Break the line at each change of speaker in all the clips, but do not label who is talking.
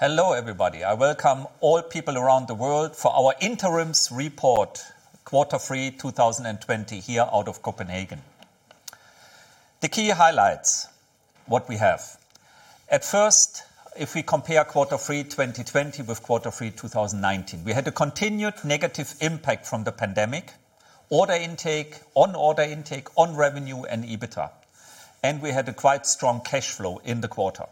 Hello, everybody. I welcome all people around the world for our interim report Q3 2020 here out of Copenhagen. The key highlights, what we have. If we compare Q3 2020 with Q3 2019, we had a continued negative impact from the pandemic, order intake on revenue and EBITDA, and we had a quite strong cash flow in the quarter.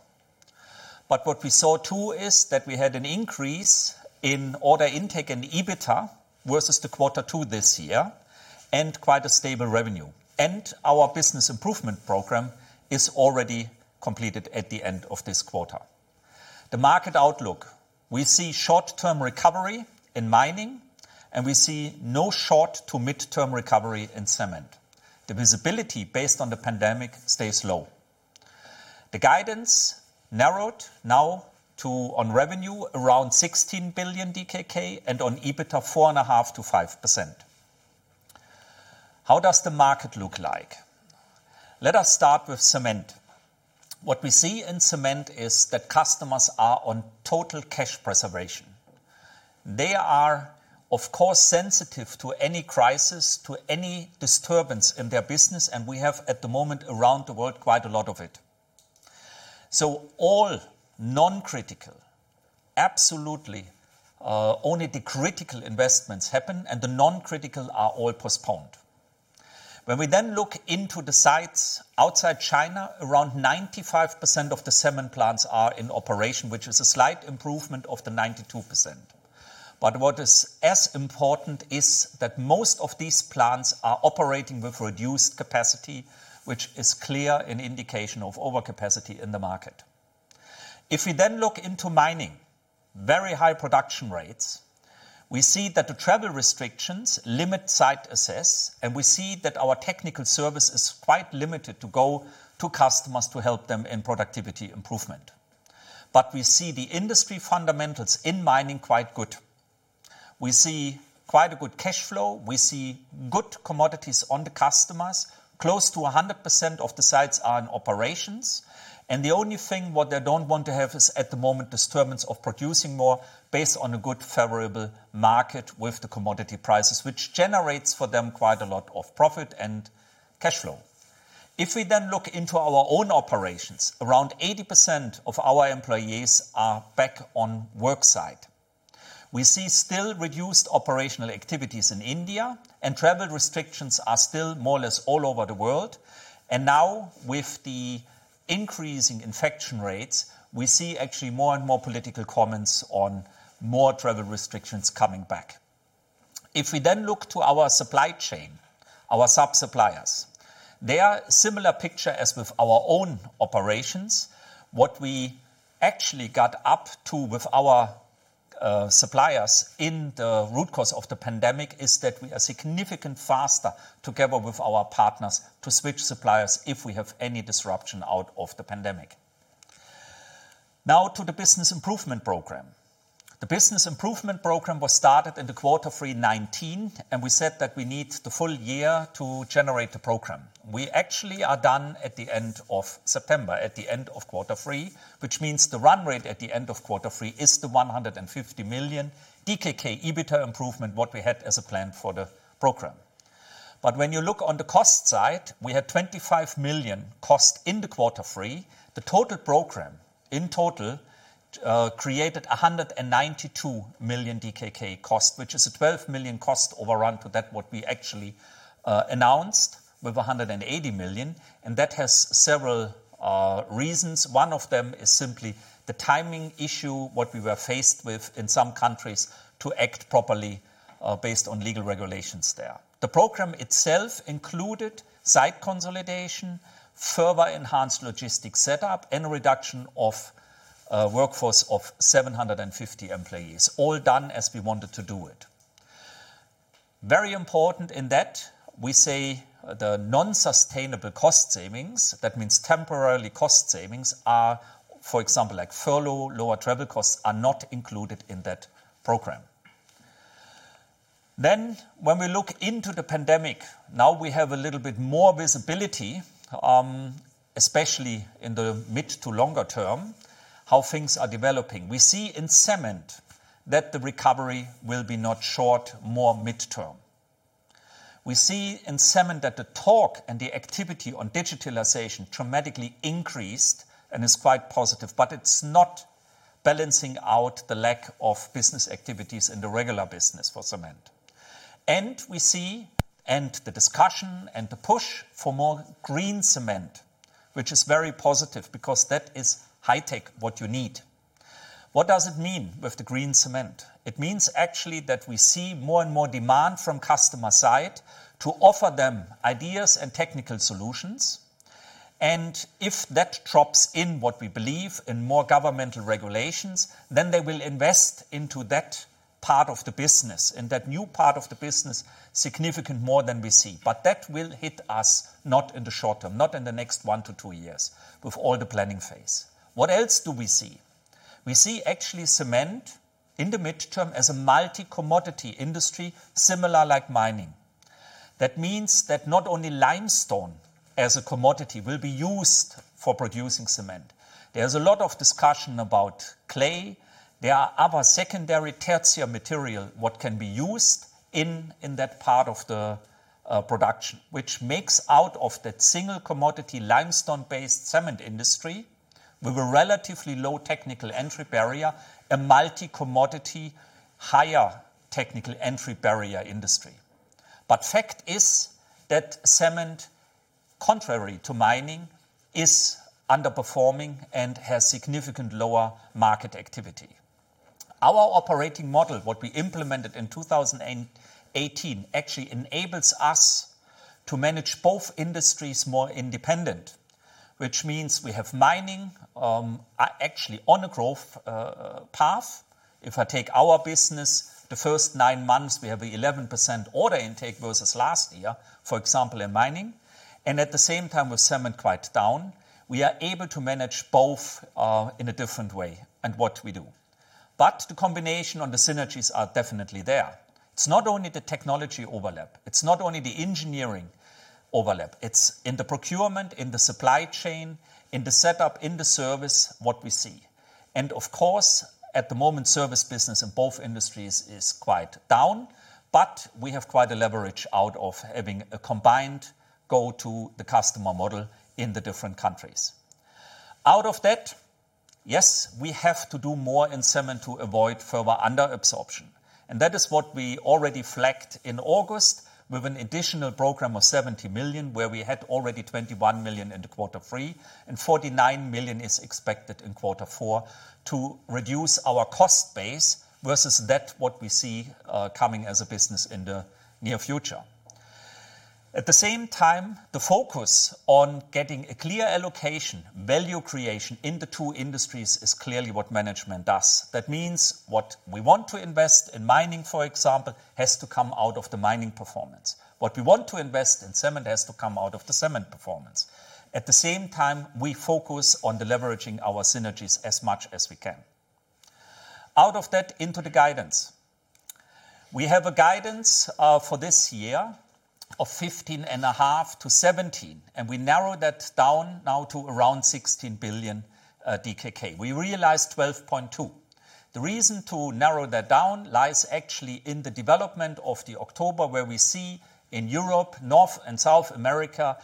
What we saw too is that we had an increase in order intake and EBITDA versus the Q2 this year, and quite a stable revenue. Our business improvement program is already completed at the end of this quarter. The market outlook, we see short-term recovery in mining, we see no short to mid-term recovery in cement. The visibility based on the pandemic stays low. The guidance narrowed now to, on revenue, around 16 billion DKK, and on EBITDA, 4.5%-5%. How does the market look like? Let us start with cement. What we see in cement is that customers are on total cash preservation. They are, of course, sensitive to any crisis, to any disturbance in their business, and we have, at the moment, around the world, quite a lot of it. All non-critical. Absolutely only the critical investments happen and the non-critical are all postponed. When we look into the sites outside China, around 95% of the cement plants are in operation, which is a slight improvement of the 92%. What is as important is that most of these plants are operating with reduced capacity, which is clear an indication of overcapacity in the market. If we look into mining, very high production rates. We see that the travel restrictions limit site access, and we see that our technical service is quite limited to go to customers to help them in productivity improvement. We see the industry fundamentals in mining quite good. We see quite a good cash flow. We see good commodities on the customers. Close to 100% of the sites are in operations, and the only thing what they don't want to have is, at the moment, disturbance of producing more based on a good, favorable market with the commodity prices, which generates for them quite a lot of profit and cash flow. If we look into our own operations, around 80% of our employees are back on work site. We see still reduced operational activities in India and travel restrictions are still more or less all over the world. Now, with the increasing infection rates, we see actually more and more political comments on more travel restrictions coming back. If we look to our supply chain, our sub-suppliers, they are similar picture as with our own operations. What we actually got up to with our suppliers in the root cause of the pandemic is that we are significant faster together with our partners to switch suppliers if we have any disruption out of the pandemic. Now to the business improvement program. The business improvement program was started in the Q3 2019, we said that we need the full year to generate the program. We actually are done at the end of September, at the end of Q3, which means the run rate at the end of Q3 is the 150 million DKK EBITDA improvement, what we had as a plan for the program. When you look on the cost side, we had 25 million cost in the Q3. The total program in total, created 192 million DKK cost, which is a 12 million cost overrun to that what we actually announced with 180 million, and that has several reasons. One of them is simply the timing issue, what we were faced with in some countries to act properly, based on legal regulations there. The program itself included site consolidation, further enhanced logistics setup, and a reduction of workforce of 750 employees. All done as we wanted to do it. Very important in that we say the non-sustainable cost savings, that means temporary cost savings are, for example, like furlough, lower travel costs, are not included in that program. When we look into the pandemic, now we have a little bit more visibility, especially in the mid-to-longer term, how things are developing. We see in cement that the recovery will be not short, more mid-term. We see in cement that the talk and the activity on digitalization dramatically increased and is quite positive, but it's not balancing out the lack of business activities in the regular business for cement. We see, and the discussion and the push for more green cement, which is very positive because that is high tech, what you need. What does it mean with the green cement? It means actually that we see more and more demand from customer side to offer them ideas and technical solutions, and if that drops in what we believe in more governmental regulations, then they will invest into that part of the business, in that new part of the business, significant more than we see. That will hit us not in the short term, not in the next one to two years with all the planning phase. What else do we see? We see actually cement in the mid-term as a multi-commodity industry, similar like mining. That means that not only limestone as a commodity will be used for producing cement. There's a lot of discussion about clay. There are other secondary, tertiary material what can be used in that part of the production, which makes out of that single commodity, limestone-based cement industry, with a relatively low technical entry barrier, a multi-commodity, higher technical entry barrier industry. Fact is that cement, contrary to mining, is underperforming and has significant lower market activity. Our operating model, what we implemented in 2018, actually enables us to manage both industries more independent, which means we have mining actually on a growth path. If I take our business, the first nine months, we have 11% order intake versus last year, for example, in mining, and at the same time, with cement quite down. We are able to manage both in a different way and what we do. The combination on the synergies are definitely there. It's not only the technology overlap, it's not only the engineering overlap, it's in the procurement, in the supply chain, in the setup, in the service, what we see. Of course, at the moment, service business in both industries is quite down. We have quite a leverage out of having a combined go to the customer model in the different countries. Out of that, yes, we have to do more in cement to avoid further under absorption. That is what we already flagged in August with an additional program of 70 million, where we had already 21 million in the Q3, 49 million is expected in Q4 to reduce our cost base versus that what we see coming as a business in the near future. At the same time, the focus on getting a clear allocation, value creation in the two industries is clearly what management does. That means what we want to invest in mining, for example, has to come out of the mining performance. What we want to invest in cement has to come out of the cement performance. At the same time, we focus on leveraging our synergies as much as we can. Out of that into the guidance. We have a guidance for this year of 15.5 billion-17 billion, and we narrowed that down now to around 16 billion DKK. We realized 12.2 billion. The reason to narrow that down lies actually in the development in October, where we see in Europe, North and South America,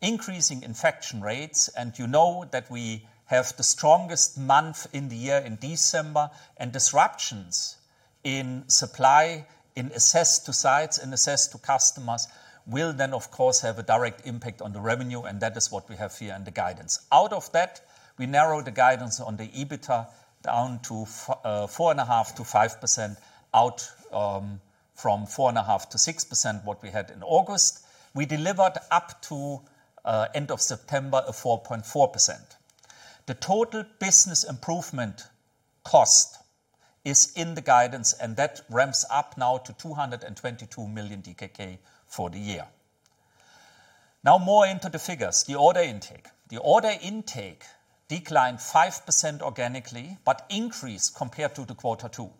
increasing infection rates. You know that we have the strongest month in the year in December. Disruptions in supply, in access to sites and access to customers will then, of course, have a direct impact on the revenue, and that is what we have here in the guidance. We narrow the guidance on the EBITDA down to 4.5%-5% out from 4.5%-6%, what we had in August. We delivered up to end of September a 4.4%. The total business improvement cost is in the guidance, and that ramps up now to 222 million DKK for the year. More into the figures. The order intake. The order intake declined 5% organically but increased compared to the Q2.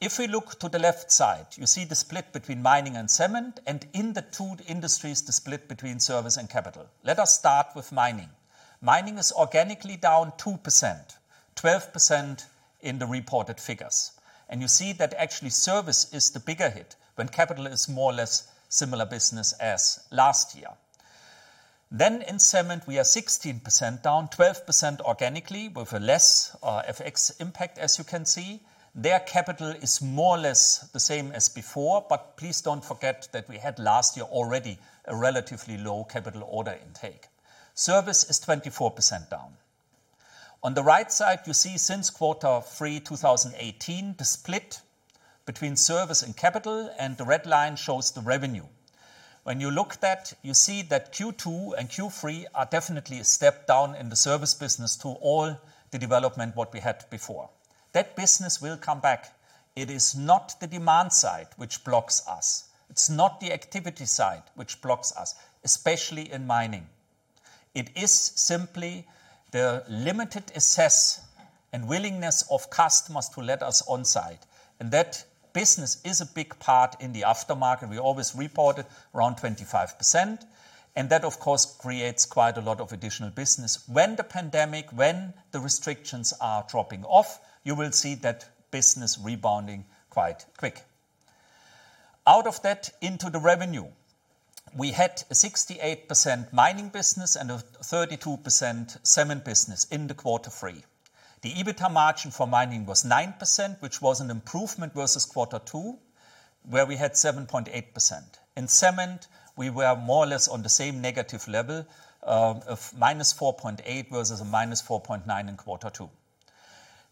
If we look to the left side, you see the split between mining and cement, and in the two industries, the split between service and capital. Let us start with mining. Mining is organically down 2%, 12% in the reported figures. You see that actually service is the bigger hit when capital is more or less similar business as last year. In cement, we are 16% down, 12% organically with a less FX impact as you can see. Their capital is more or less the same as before, but please don't forget that we had last year already a relatively low capital order intake. Service is 24% down. On the right side, you see since Q3 2018, the split between service and capital, and the red line shows the revenue. When you look that, you see that Q2 and Q3 are definitely a step down in the service business to all the development what we had before. That business will come back. It is not the demand side which blocks us. It's not the activity side which blocks us, especially in mining. It is simply the limited access and willingness of customers to let us on site, and that business is a big part in the aftermarket. We always report it around 25%, and that of course, creates quite a lot of additional business. When the pandemic, when the restrictions are dropping off, you will see that business rebounding quite quick. Out of that into the revenue. We had a 68% mining business and a 32% Cement business in the Q3. The EBITDA margin for mining was 9%, which was an improvement versus Q2, where we had 7.8%. In cement, we were more or less on the same negative level of -4.8% versus a -4.9% in Q2.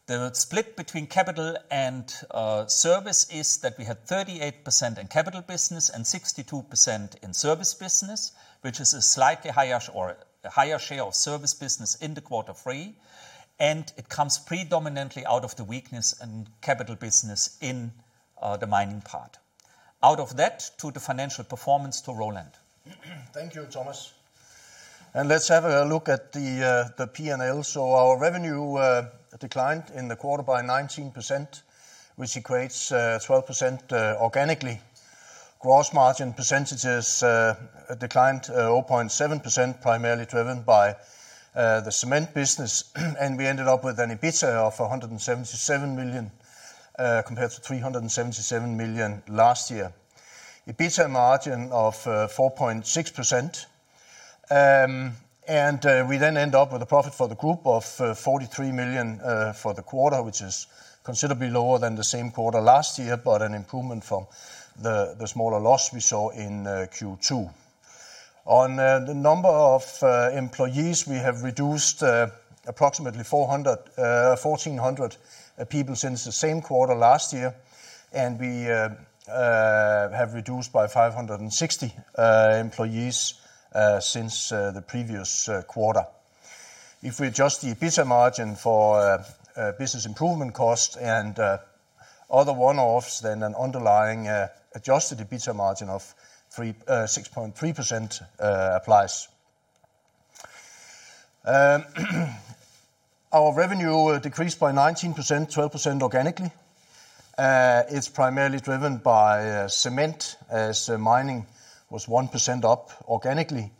The split between capital and service is that we had 38% in capital business and 62% in service business, which is a slightly higher share of service business in the Q3. It comes predominantly out of the weakness in capital business in the mining part. Out of that to the financial performance to Roland.
Thank you, Thomas. Let's have a look at the P&L. Our revenue declined in the quarter by 19%, which equates 12% organically. Gross margin percentages declined 0.7%, primarily driven by the Cement business. We ended up with an EBITDA of 177 million, compared to 377 million last year. EBITDA margin of 4.6%. We then end up with a profit for the group of 43 million for the quarter, which is considerably lower than the same quarter last year, but an improvement from the smaller loss we saw in Q2. On the number of employees, we have reduced approximately 1,400 people since the same quarter last year, and we have reduced by 560 employees since the previous quarter. If we adjust the EBITDA margin for business improvement costs and other one-offs, then an underlying adjusted EBITDA margin of 6.3% applies. Our revenue decreased by 19%, 12% organically. It's primarily driven by cement, as mining was 1% up organically.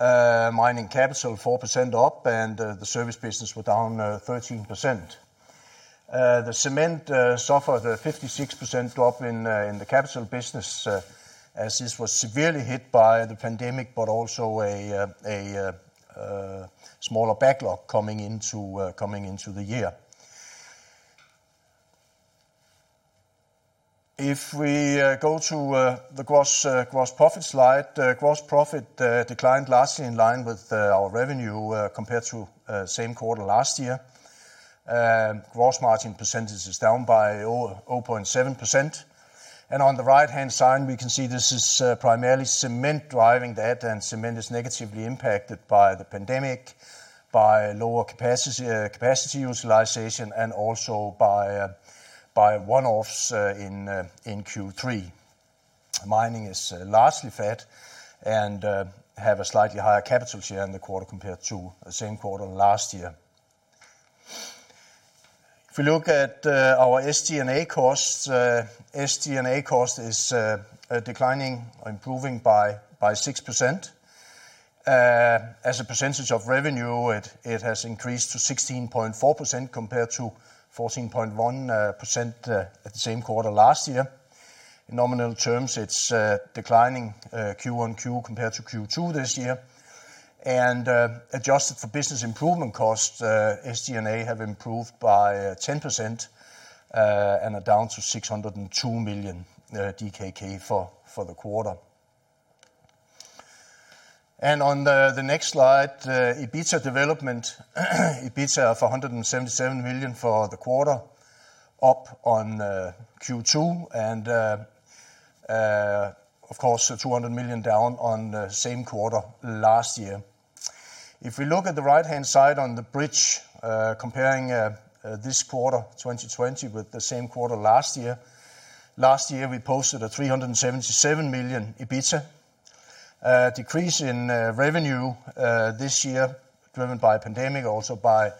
Mining capital 4% up, the service business were down 13%. The cement suffered a 56% drop in the capital business, as this was severely hit by the pandemic, but also a smaller backlog coming into the year. If we go to the gross profit slide. Gross profit declined largely in line with our revenue compared to same quarter last year. Gross margin percentage is down by 0.7%. On the right-hand side, we can see this is primarily cement driving that, and cement is negatively impacted by the pandemic, by lower capacity utilization, and also by one-offs in Q3. Mining is largely flat and have a slightly higher capital share in the quarter compared to the same quarter last year. If we look at our SG&A costs, SG&A cost is declining or improving by 6%. As a percentage of revenue, it has increased to 16.4% compared to 14.1% at the same quarter last year. In nominal terms, it's declining Q-on-Q compared to Q2 this year. Adjusted for business improvement costs, SG&A have improved by 10% and are down to 602 million DKK for the quarter. On the next slide, EBITDA development. EBITDA of 177 million for the quarter, up on Q2 and, of course, 200 million down on the same quarter last year. If we look at the right-hand side on the bridge, comparing this quarter, 2020, with the same quarter last year. Last year, we posted a 377 million EBITDA. A decrease in revenue this year driven by pandemic, also by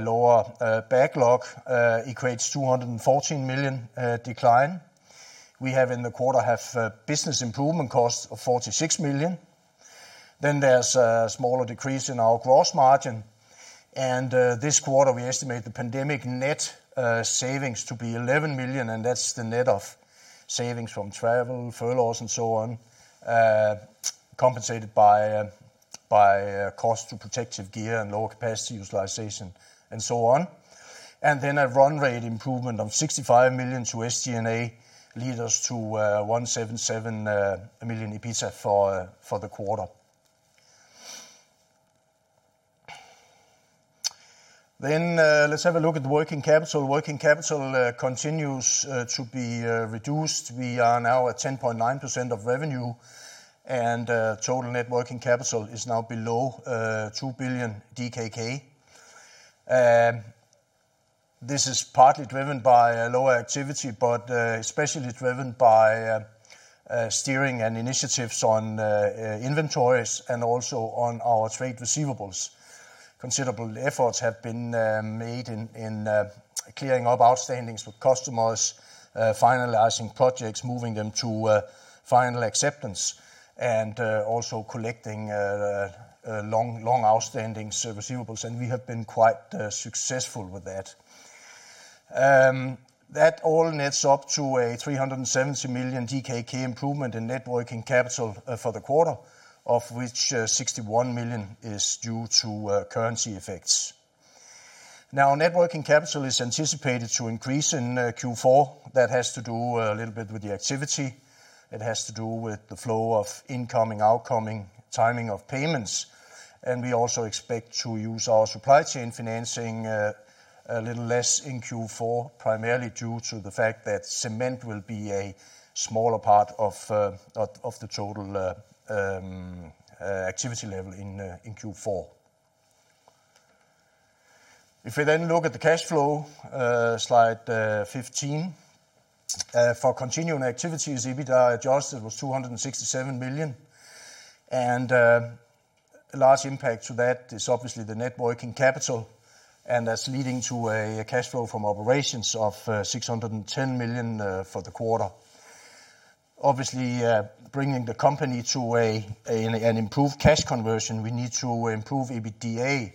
lower backlog, equates to 214 million decline. We have, in the quarter, business improvement costs of 46 million. There's a smaller decrease in our gross margin. This quarter, we estimate the pandemic net savings to be 11 million, and that's the net of savings from travel, furloughs, and so on, compensated by cost to protective gear and lower capacity utilization, and so on. A run rate improvement of 65 million to SG&A lead us to 177 million EBITDA for the quarter. Let's have a look at the working capital. Working capital continues to be reduced. We are now at 10.9% of revenue, and total net working capital is now below 2 billion DKK. This is partly driven by lower activity, but especially driven by steering and initiatives on inventories and also on our trade receivables. Considerable efforts have been made in clearing up outstandings with customers, finalizing projects, moving them to final acceptance, and also collecting long outstanding receivables, and we have been quite successful with that. That all nets up to a 370 million DKK improvement in net working capital for the quarter, of which 61 million is due to currency effects. Net working capital is anticipated to increase in Q4. That has to do a little bit with the activity. It has to do with the flow of incoming, outcoming timing of payments. We also expect to use our supply chain financing a little less in Q4, primarily due to the fact that cement will be a smaller part of the total activity level in Q4. We then look at the cash flow, slide 15. For continuing activities, EBITDA adjusted was 267 million, and a large impact to that is obviously the net working capital, and that's leading to a cash flow from operations of 610 million for the quarter. Obviously, bringing the company to an improved cash conversion, we need to improve EBITDA,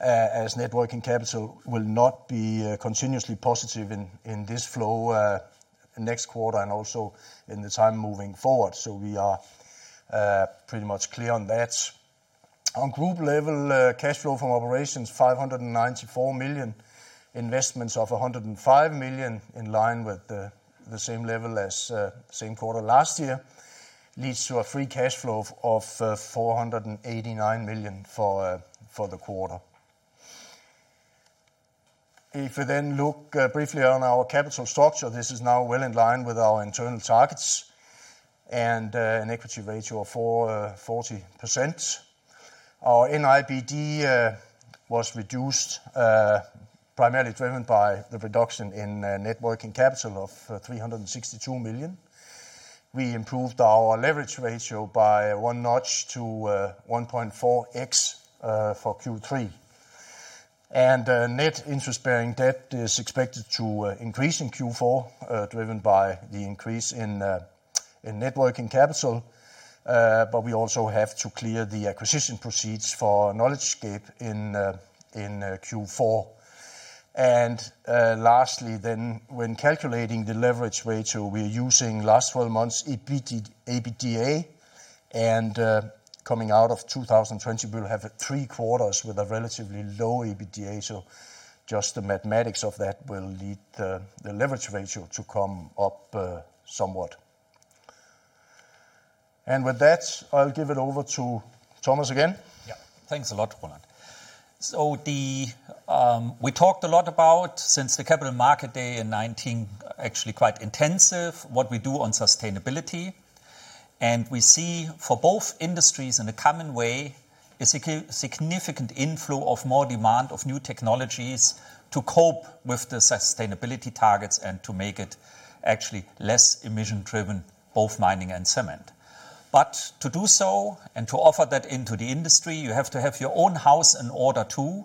as net working capital will not be continuously positive in this flow next quarter and also in the time moving forward. We are pretty much clear on that. On group level, cash flow from operations 594 million, investments of 105 million in line with the same level as same quarter last year, leads to a free cash flow of 489 million for the quarter. If we look briefly on our capital structure, this is now well in line with our internal targets and an equity ratio of 40%. Our NIBD was reduced, primarily driven by the reduction in net working capital of 362 million. We improved our leverage ratio by one notch to 1.4x for Q3. Net interest-bearing debt is expected to increase in Q4, driven by the increase in net working capital. We also have to clear the acquisition proceeds for KnowledgeScape in Q4. Lastly then, when calculating the leverage ratio, we're using last 12 months EBITDA, and coming out of 2020, we'll have three quarters with a relatively low EBITDA, so just the mathematics of that will lead the leverage ratio to come up somewhat. With that, I'll give it over to Thomas again.
Yeah. Thanks a lot, Roland. We talked a lot about, since the Capital Market Day in 2019, actually quite intensive, what we do on sustainability. We see for both industries in a common way, a significant inflow of more demand of new technologies to cope with the sustainability targets and to make it actually less emission driven, both mining and cement. To do so, and to offer that into the industry, you have to have your own house in order, too.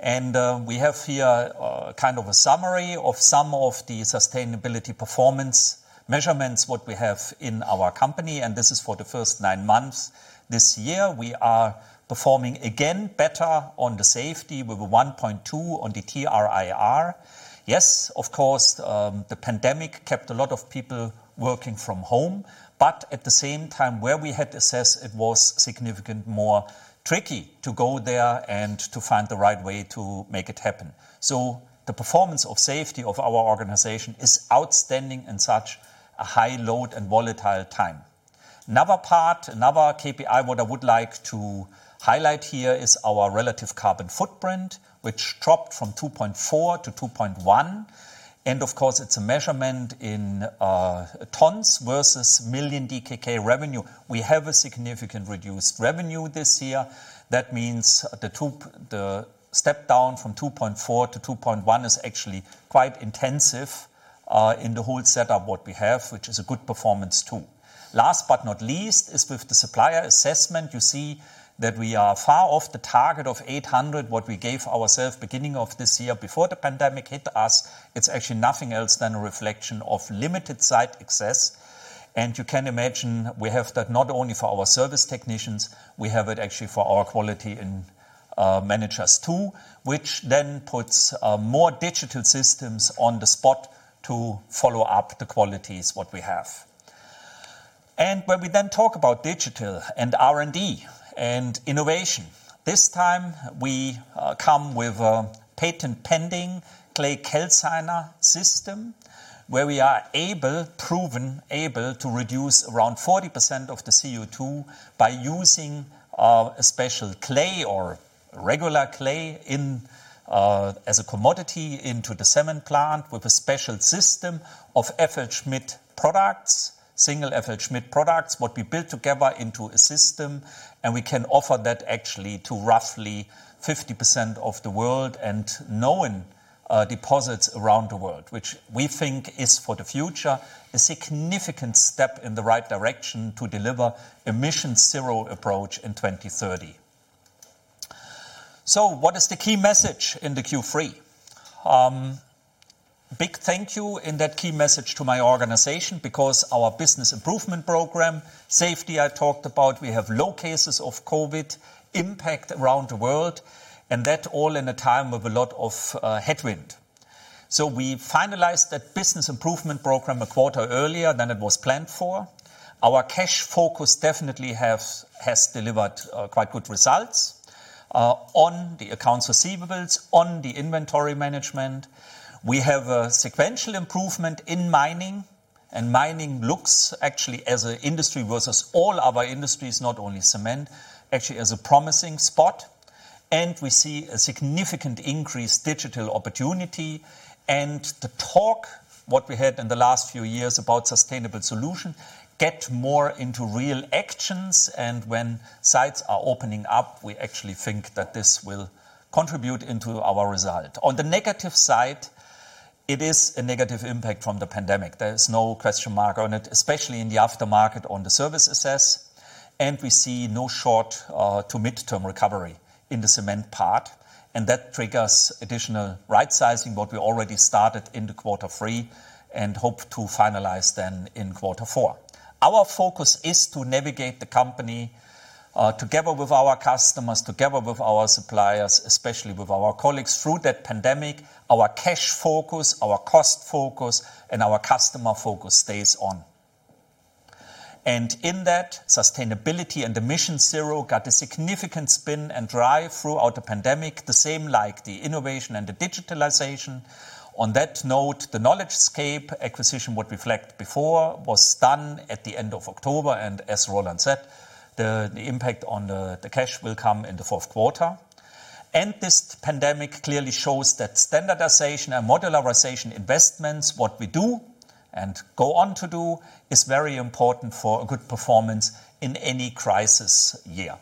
We have here a summary of some of the sustainability performance measurements, what we have in our company, and this is for the first nine months. This year, we are performing again better on the safety with a 1.2 on the TRIR. Yes, of course, the pandemic kept a lot of people working from home. At the same time, where we had to assess it was significantly more tricky to go there and to find the right way to make it happen. The performance of safety of our organization is outstanding in such a high load and volatile time. Another part, another KPI what I would like to highlight here is our relative carbon footprint, which dropped from 2.4 to 2.1. Of course, it's a measurement in tons versus million DKK revenue. We have a significant reduced revenue this year. That means the step down from 2.4 to 2.1 is actually quite intensive in the whole setup what we have, which is a good performance, too. Last but not least is with the supplier assessment. You see that we are far off the target of 800, what we gave ourself beginning of this year before the pandemic hit us. It's actually nothing else than a reflection of limited site access. You can imagine we have that not only for our service technicians, we have it actually for our quality and managers, too, which then puts more digital systems on the spot to follow-up the qualities what we have. When we then talk about digital and R&D and innovation, this time we come with a patent-pending clay calciner system, where we are proven able to reduce around 40% of the CO2 by using a special clay or regular clay as a commodity into the cement plant with a special system of single FLSmidth products, what we built together into a system, and we can offer that actually to roughly 50% of the world and known deposits around the world. Which we think is, for the future, a significant step in the right direction to deliver MissionZero approach in 2030. What is the key message in the Q3? Big thank you in that key message to my organization, because our business improvement program, safety I talked about, we have low cases of COVID impact around the world, and that all in a time of a lot of headwind. We finalized that business improvement program a quarter earlier than it was planned for. Our cash focus definitely has delivered quite good results, on the accounts receivables, on the inventory management. We have a sequential improvement in mining, and mining looks actually as an industry versus all other industries, not only cement, actually as a promising spot. We see a significant increase digital opportunity. The talk, what we had in the last few years about sustainable solution, get more into real actions. When sites are opening up, we actually think that this will contribute into our result. On the negative side. It is a negative impact from the pandemic. There is no question mark on it, especially in the aftermarket on the service assets, and we see no short to midterm recovery in the cement part, and that triggers additional rightsizing what we already started in the Q3 and hope to finalize then in Q4. Our focus is to navigate the company, together with our customers, together with our suppliers, especially with our colleagues through that pandemic. Our cash focus, our cost focus, and our customer focus stays on. In that, sustainability and MissionZero got a significant spin and drive throughout the pandemic, the same like the innovation and the digitalization. On that note, the KnowledgeScape acquisition, what we flagged before, was done at the end of October, and as Roland said, the impact on the cash will come in the Q4. This pandemic clearly shows that standardization and modularization investments, what we do and go on to do, is very important for a good performance in any crisis year.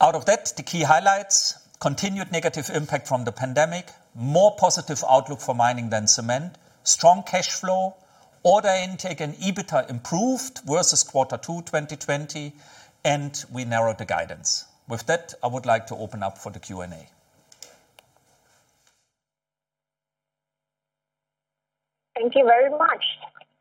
Out of that, the key highlights, continued negative impact from the pandemic, more positive outlook for mining than cement, strong cash flow, order intake and EBITDA improved versus Q2 2020, we narrowed the guidance. With that, I would like to open up for the Q&A.
Thank you very much.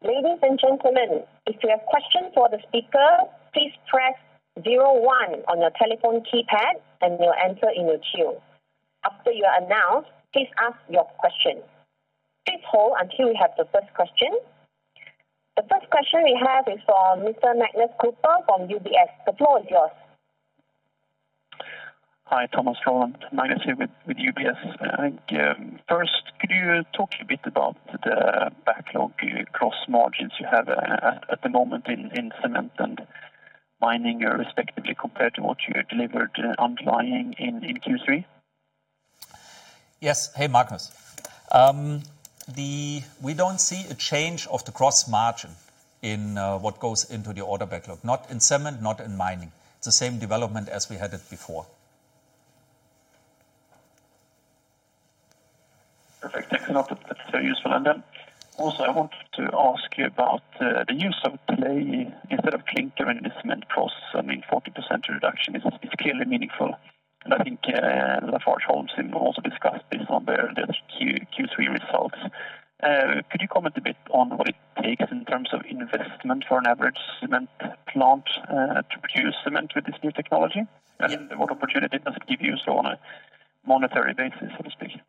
Ladies and gentlemen, if you have questions for the speaker, please press zero one on your telephone keypad and you will enter in the queue. After you are announced, please ask your question. Please hold until we have the first question. The first question we have is from Mr. Magnus Kruber from UBS. The floor is yours.
Hi, Thomas, Roland. Magnus here with UBS. I think, first, could you talk a bit about the backlog gross margins you have at the moment in cement and mining respectively, compared to what you delivered underlying in Q3?
Yes. Hey, Magnus. We don't see a change of the gross margin in what goes into the order backlog. Not in cement, not in mining. It's the same development as we had it before.
Perfect. Thank you. That's very useful. Then also I wanted to ask you about the use of clay instead of clinker in the cement process. A 40% reduction is clearly meaningful, and I think LafargeHolcim also discussed this on their Q3 results. Could you comment a bit on what it takes in terms of investment for an average cement plant to produce cement with this new technology? What opportunity does it give you on a monetary basis, so to speak?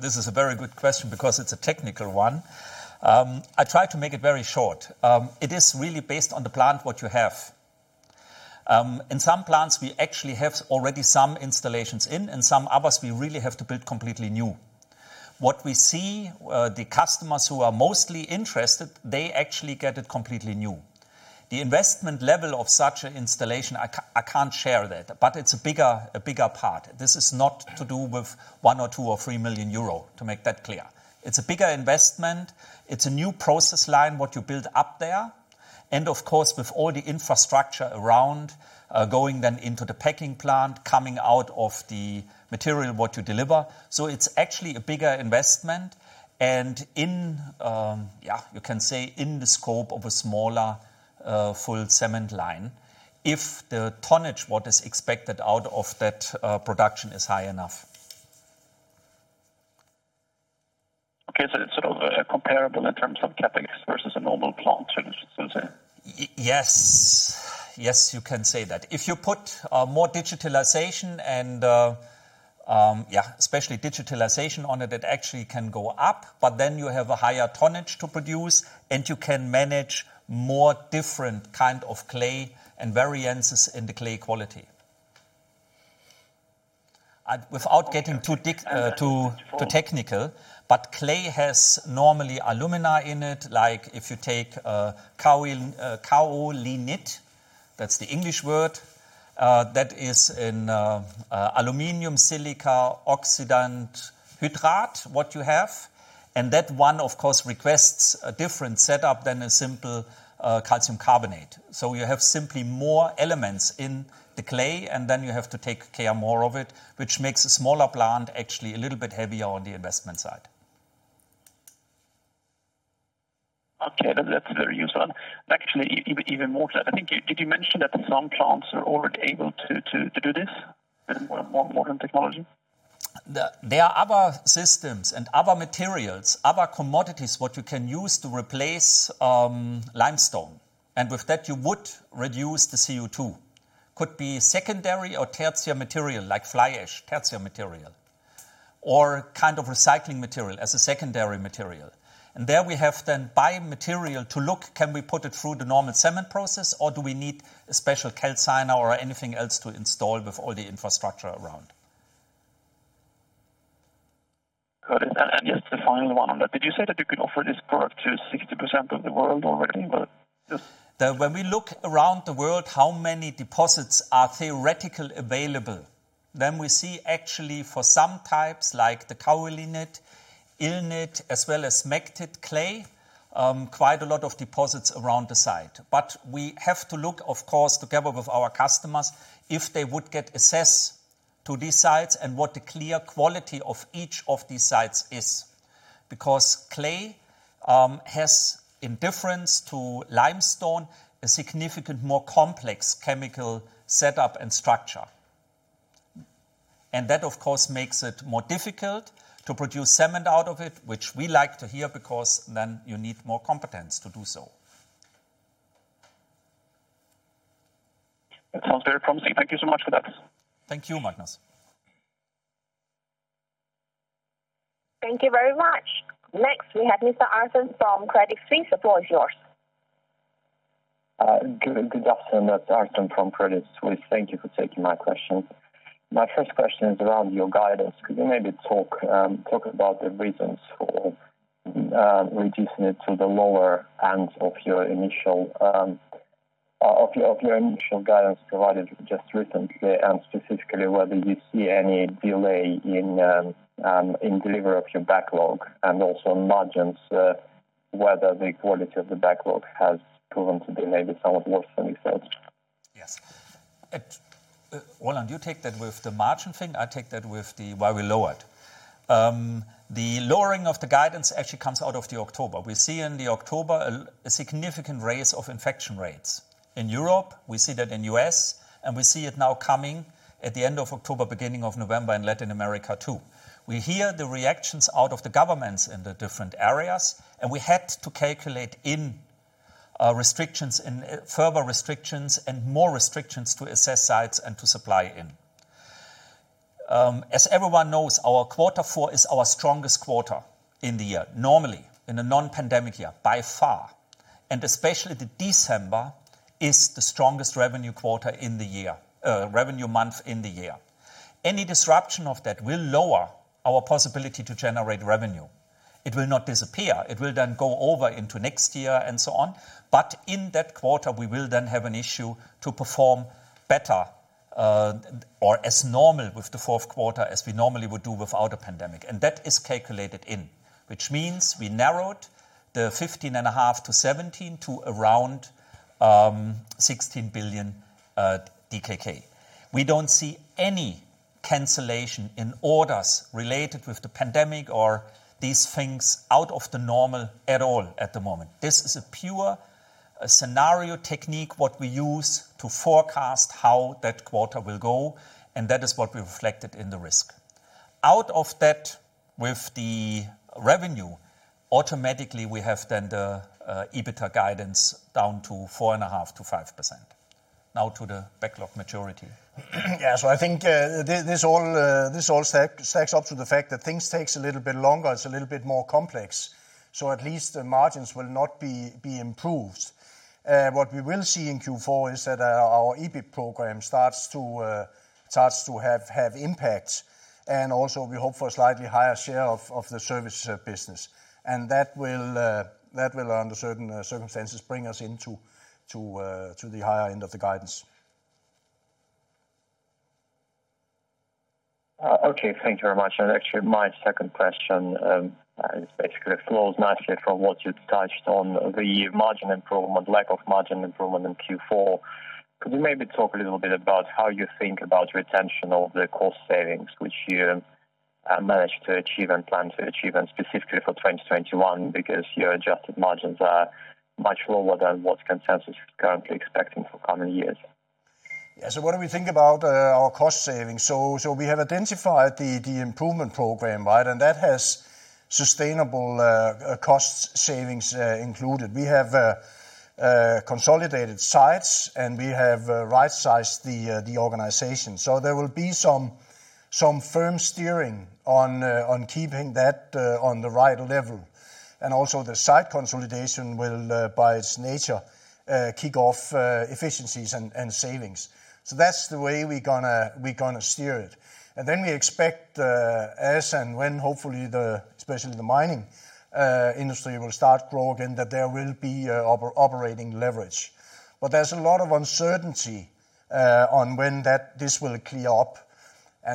This is a very good question because it's a technical one. I try to make it very short. It is really based on the plant what you have. In some plants, we actually have already some installations in. In some others, we really have to build completely new. What we see, the customers who are mostly interested, they actually get it completely new. The investment level of such an installation, I can't share that, but it's a bigger part. This is not to do with 1 million or 2 million or 3 million euro, to make that clear. It's a bigger investment. It's a new process line, what you build up there. Of course, with all the infrastructure around, going then into the packing plant, coming out of the material what you deliver. It's actually a bigger investment. You can say in the scope of a smaller, full cement line, if the tonnage, what is expected out of that production is high enough.
Okay. It's comparable in terms of CapEx versus a normal plant, should we say?
Yes. You can say that. If you put more digitalization and especially digitalization on it actually can go up, but then you have a higher tonnage to produce, and you can manage more different kind of clay and variances in the clay quality. Without getting too technical, but clay has normally alumina in it. If you take kaolinite, that's the English word. That is an aluminum silicate hydrate, what you have. And that one, of course, requests a different setup than a simple calcium carbonate. You have simply more elements in the clay, and then you have to take care more of it, which makes a smaller plant actually a little bit heavier on the investment side.
Okay. That's very useful. Actually, even more to that, I think, did you mention that some plants are already able to do this more modern technology?
There are other systems and other materials, other commodities what you can use to replace limestone. With that, you would reduce the CO2. Could be secondary or tertiary material like fly ash, tertiary material, or recycling material as a secondary material. There we have then biomaterial to look, can we put it through the normal cement process, or do we need a special calciner or anything else to install with all the infrastructure around?
Got it. Just the final one on that. Did you say that you could offer this product to 60% of the world already?
When we look around the world how many deposits are theoretically available, then we actually see for some types like the kaolinite, illite, as well as smectite clay. Quite a lot of deposits around the site. We have to look, of course, together with our customers, if they would get access to these sites and what the clear quality of each of these sites is. Because clay has, in difference to limestone, a significantly more complex chemical setup and structure. That, of course, makes it more difficult to produce cement out of it, which we like to hear, because then you need more competence to do so.
That sounds very promising. Thank you so much for that.
Thank you, Magnus.
Thank you very much. Next, we have Mr. Artem from Credit Suisse. The floor is yours.
Good afternoon. Artem from Credit Suisse. Thank you for taking my question. My first question is around your guidance. Could you maybe talk about the reasons for reducing it to the lower end of your initial guidance provided just recently, and specifically whether you see any delay in delivery of your backlog and also margins, whether the quality of the backlog has proven to be maybe somewhat worse than you said?
Yes. Roland, you take that with the margin thing. I take that with why we lowered. The lowering of the guidance actually comes out of the October. We see in October a significant rise of infection rates. In Europe, we see that in the U.S., and we see it now coming at the end of October, beginning of November in Latin America, too. We hear the reactions out of the governments in the different areas, and we had to calculate in further restrictions and more restrictions to access sites and to supply in. As everyone knows, our Q4 is our strongest quarter in the year, normally, in a non-pandemic year, by far, and especially December is the strongest revenue month in the year. Any disruption of that will lower our possibility to generate revenue. It will not disappear. It will then go over into next year and so on. In that quarter, we will then have an issue to perform better or as normal with the Q4 as we normally would do without a pandemic. That is calculated in, which means we narrowed the 15.5 billion-17 billion to around 16 billion DKK. We don't see any cancellation in orders related with the pandemic or these things out of the normal at all at the moment. This is a pure scenario technique, what we use to forecast how that quarter will go, and that is what we reflected in the risk. Out of that, with the revenue, automatically we have then the EBITDA guidance down to 4.5%-5%. Now to the backlog maturity.
I think this all stacks up to the fact that things take a little bit longer. It's a little bit more complex. At least the margins will not be improved. What we will see in Q4 is that our EBIT program starts to have impact, and also we hope for a slightly higher share of the service business. That will, under certain circumstances, bring us into the higher end of the guidance.
Okay. Thank you very much. Actually, my second question basically flows nicely from what you touched on, the margin improvement, lack of margin improvement in Q4. Could you maybe talk a little bit about how you think about retention of the cost savings, which you managed to achieve and plan to achieve, and specifically for 2021, because your adjusted margins are much lower than what consensus is currently expecting for coming years?
Yeah. What do we think about our cost savings? We have identified the improvement program, right? That has sustainable cost savings included. We have consolidated sites, and we have right-sized the organization. There will be some firm steering on keeping that on the right level. Also the site consolidation will, by its nature, kick off efficiencies and savings. That's the way we're going to steer it. We expect as and when, hopefully, especially the mining industry will start growing, that there will be operating leverage. There's a lot of uncertainty on when this will clear up.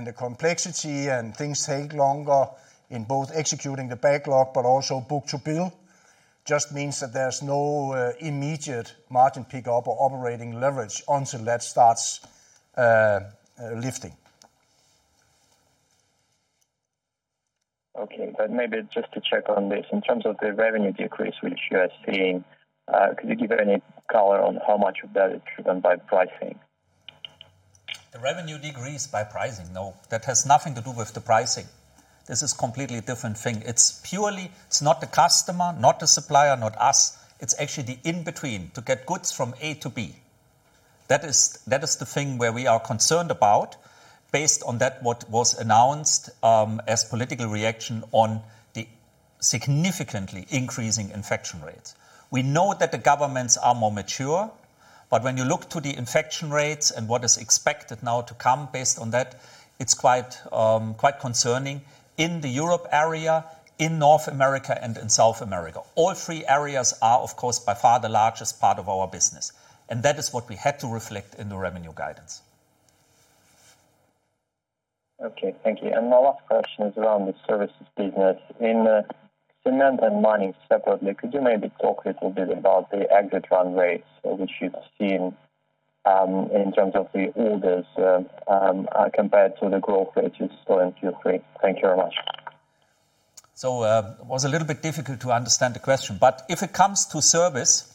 The complexity and things take longer in both executing the backlog but also book-to-bill, just means that there's no immediate margin pickup or operating leverage until that starts lifting.
Okay, maybe just to check on this, in terms of the revenue decrease which you are seeing, could you give any color on how much of that is driven by pricing?
The revenue decrease by pricing? No. That has nothing to do with the pricing. This is a completely different thing. It's not the customer, not the supplier, not us. It's actually the in-between, to get goods from A to B. That is the thing where we are concerned about based on that what was announced as political reaction on the significantly increasing infection rates. We know that the governments are more mature, but when you look to the infection rates and what is expected now to come based on that, it's quite concerning in the Europe area, in North America and in South America. All three areas are, of course, by far the largest part of our business, and that is what we had to reflect in the revenue guidance.
Okay, thank you. My last question is around the services business. In cement and mining separately, could you maybe talk a little bit about the exit run rates, which you've seen in terms of the orders compared to the growth rate you saw in Q3? Thank you very much.
It was a little bit difficult to understand the question, but if it comes to service,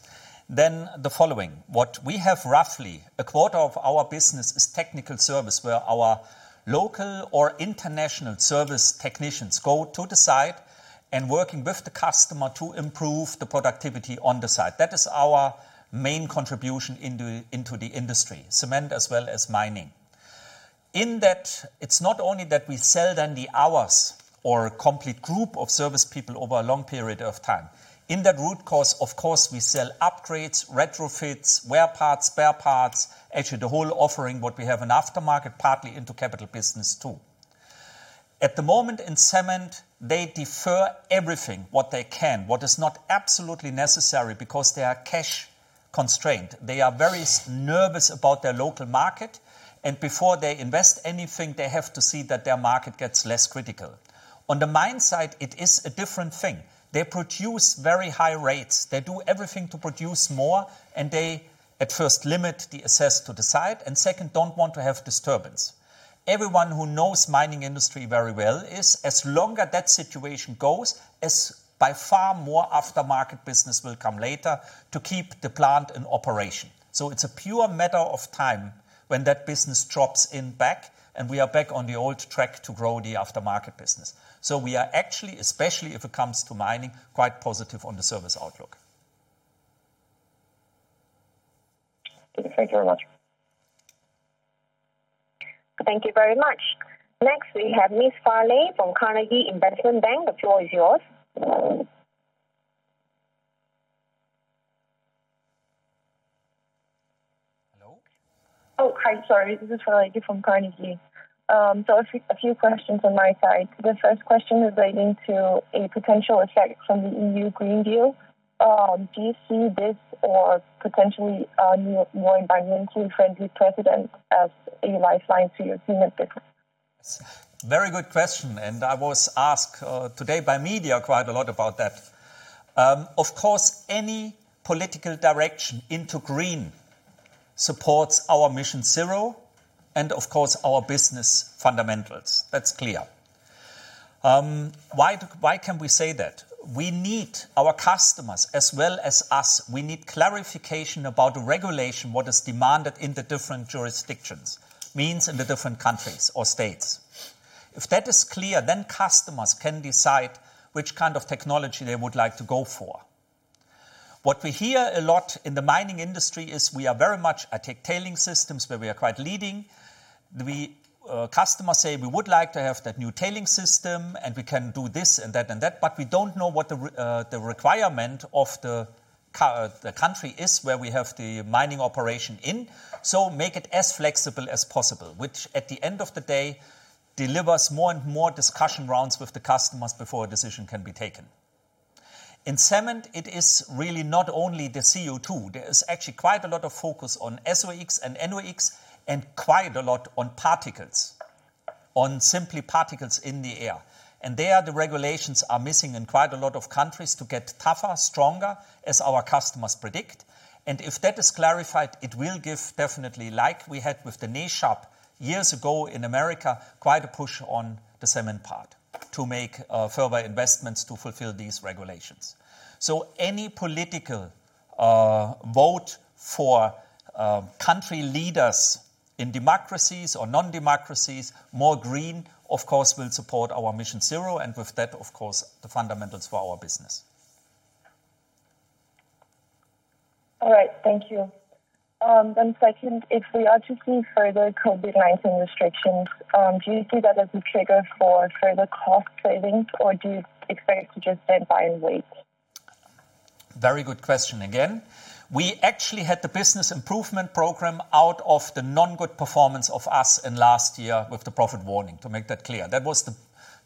then the following. What we have roughly a quarter of our business is technical service, where our local or international service technicians go to the site and working with the customer to improve the productivity on the site. That is our main contribution into the industry, cement as well as mining. In that, it's not only that we sell the hours or a complete group of service people over a long period of time. In that root cause, of course, we sell upgrades, retrofits, wear parts, spare parts, actually the whole offering what we have in aftermarket, partly into capital business too. At the moment in cement, they defer everything what they can, what is not absolutely necessary because they are cash constrained. They are very nervous about their local market. Before they invest anything, they have to see that their market gets less critical. On the mine side, it is a different thing. They produce very high rates. They do everything to produce more. They at first limit the access to the site, second, don't want to have disturbance. Everyone who knows mining industry very well is, as longer that situation goes, as by far more aftermarket business will come later to keep the plant in operation. It's a pure matter of time when that business drops in back. We are back on the old track to grow the aftermarket business. We are actually, especially if it comes to mining, quite positive on the service outlook.
Okay. Thank you very much.
Thank you very much. Next we have Miss Farley from Carnegie Investment Bank. The floor is yours.
Hello?
Oh, hi, sorry, this is Farley from Carnegie. A few questions on my side. The first question is relating to a potential effect from the EU Green Deal. Do you see this or potentially a more environmentally friendly president as a lifeline to your Cement business?
Very good question. I was asked today by media quite a lot about that. Of course, any political direction into green supports our MissionZero and of course our business fundamentals. That's clear. Why can we say that? We need our customers as well as us. We need clarification about the regulation, what is demanded in the different jurisdictions, means in the different countries or states. If that is clear, then customers can decide which kind of technology they would like to go for. What we hear a lot in the mining industry is we are very much a tailing systems where we are quite leading. The customers say, "We would like to have that new tailing system, and we can do this and that and that, but we don't know what the requirement of the country is, where we have the mining operation in. Make it as flexible as possible. Which at the end of the day, delivers more and more discussion rounds with the customers before a decision can be taken. In cement, it is really not only the CO2. There is actually quite a lot of focus on SOx and NOx and quite a lot on particles, simply particles in the air. There, the regulations are missing in quite a lot of countries to get tougher, stronger, as our customers predict. If that is clarified, it will give definitely, like we had with the NESHAP years ago in America, quite a push on the cement part to make further investments to fulfill these regulations. Any political vote for country leaders in democracies or non-democracies, more green, of course, will support our MissionZero, and with that, of course, the fundamentals for our business.
All right. Thank you. Second, if we are to see further COVID-19 restrictions, do you see that as a trigger for further cost savings, or do you expect to just stand by and wait?
Very good question again. We actually had the business improvement program out of the non-good performance of us in last year with the profit warning to make that clear. That was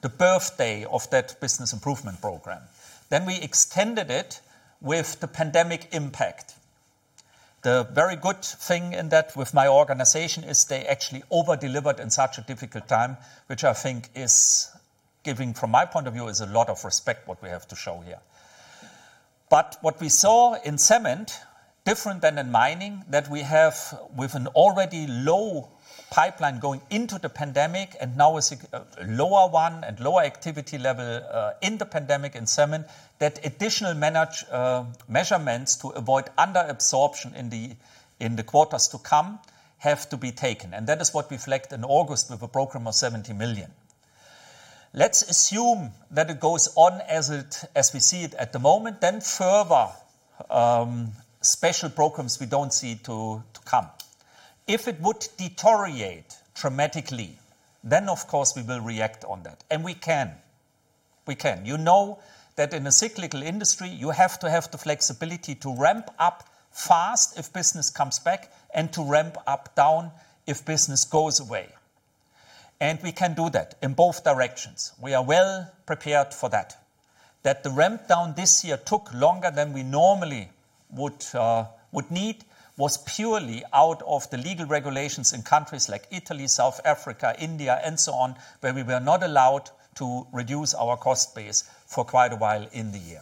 the birthday of that business improvement program. We extended it with the pandemic impact. The very good thing in that with my organization is they actually over-delivered in such a difficult time, which I think is giving, from my point of view, is a lot of respect what we have to show here. What we saw in cement, different than in mining, that we have with an already low pipeline going into the pandemic and now a lower one and lower activity level, in the pandemic in cement, that additional measurements to avoid under absorption in the quarters to come, have to be taken. That is what reflect in August with a program of 70 million. Let's assume that it goes on as we see it at the moment, further, special programs we don't see to come. If it would deteriorate dramatically, of course we will react on that. We can. You know that in a cyclical industry, you have to have the flexibility to ramp-up fast if business comes back and to ramp-up down if business goes away. We can do that in both directions. We are well prepared for that. That the ramp down this year took longer than we normally would need was purely out of the legal regulations in countries like Italy, South Africa, India, and so on, where we were not allowed to reduce our cost base for quite a while in the year.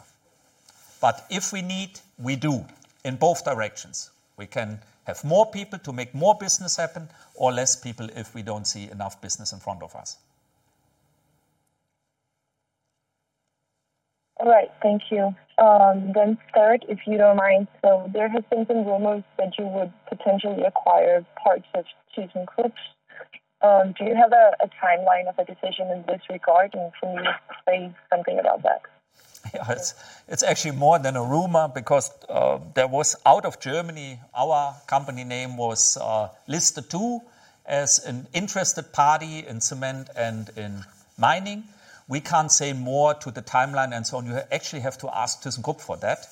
If we need, we do, in both directions. We can have more people to make more business happen or less people if we don't see enough business in front of us.
All right. Thank you. Third, if you don't mind. There have been some rumors that you would potentially acquire parts of thyssenkrupp. Do you have a timeline of a decision in this regard? Can you say something about that?
Yeah. It's actually more than a rumor because there was, out of Germany, our company name was listed too as an interested party in cement and in mining. We can't say more to the timeline and so on. You actually have to ask thyssenkrupp for that.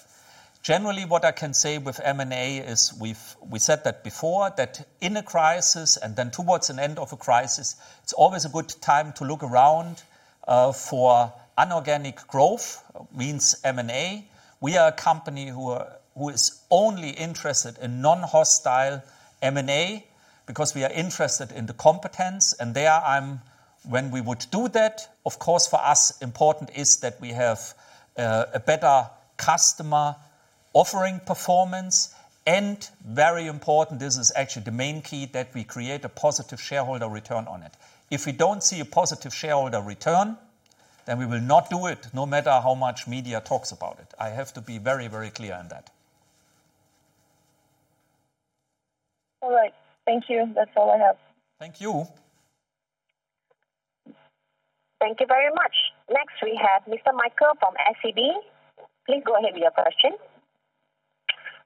Generally, what I can say with M&A is we've said that before, that in a crisis and then towards an end of a crisis, it's always a good time to look around for inorganic growth, means M&A. We are a company who is only interested in non-hostile M&A because we are interested in the competence. There, when we would do that, of course, for us important is that we have a better customer offering performance and very important, this is actually the main key, that we create a positive shareholder return on it. If we don't see a positive shareholder return, then we will not do it, no matter how much media talks about it. I have to be very, very clear on that.
All right. Thank you. That's all I have.
Thank you.
Thank you very much. Next, we have Mr. Michael from SEB. Please go ahead with your question.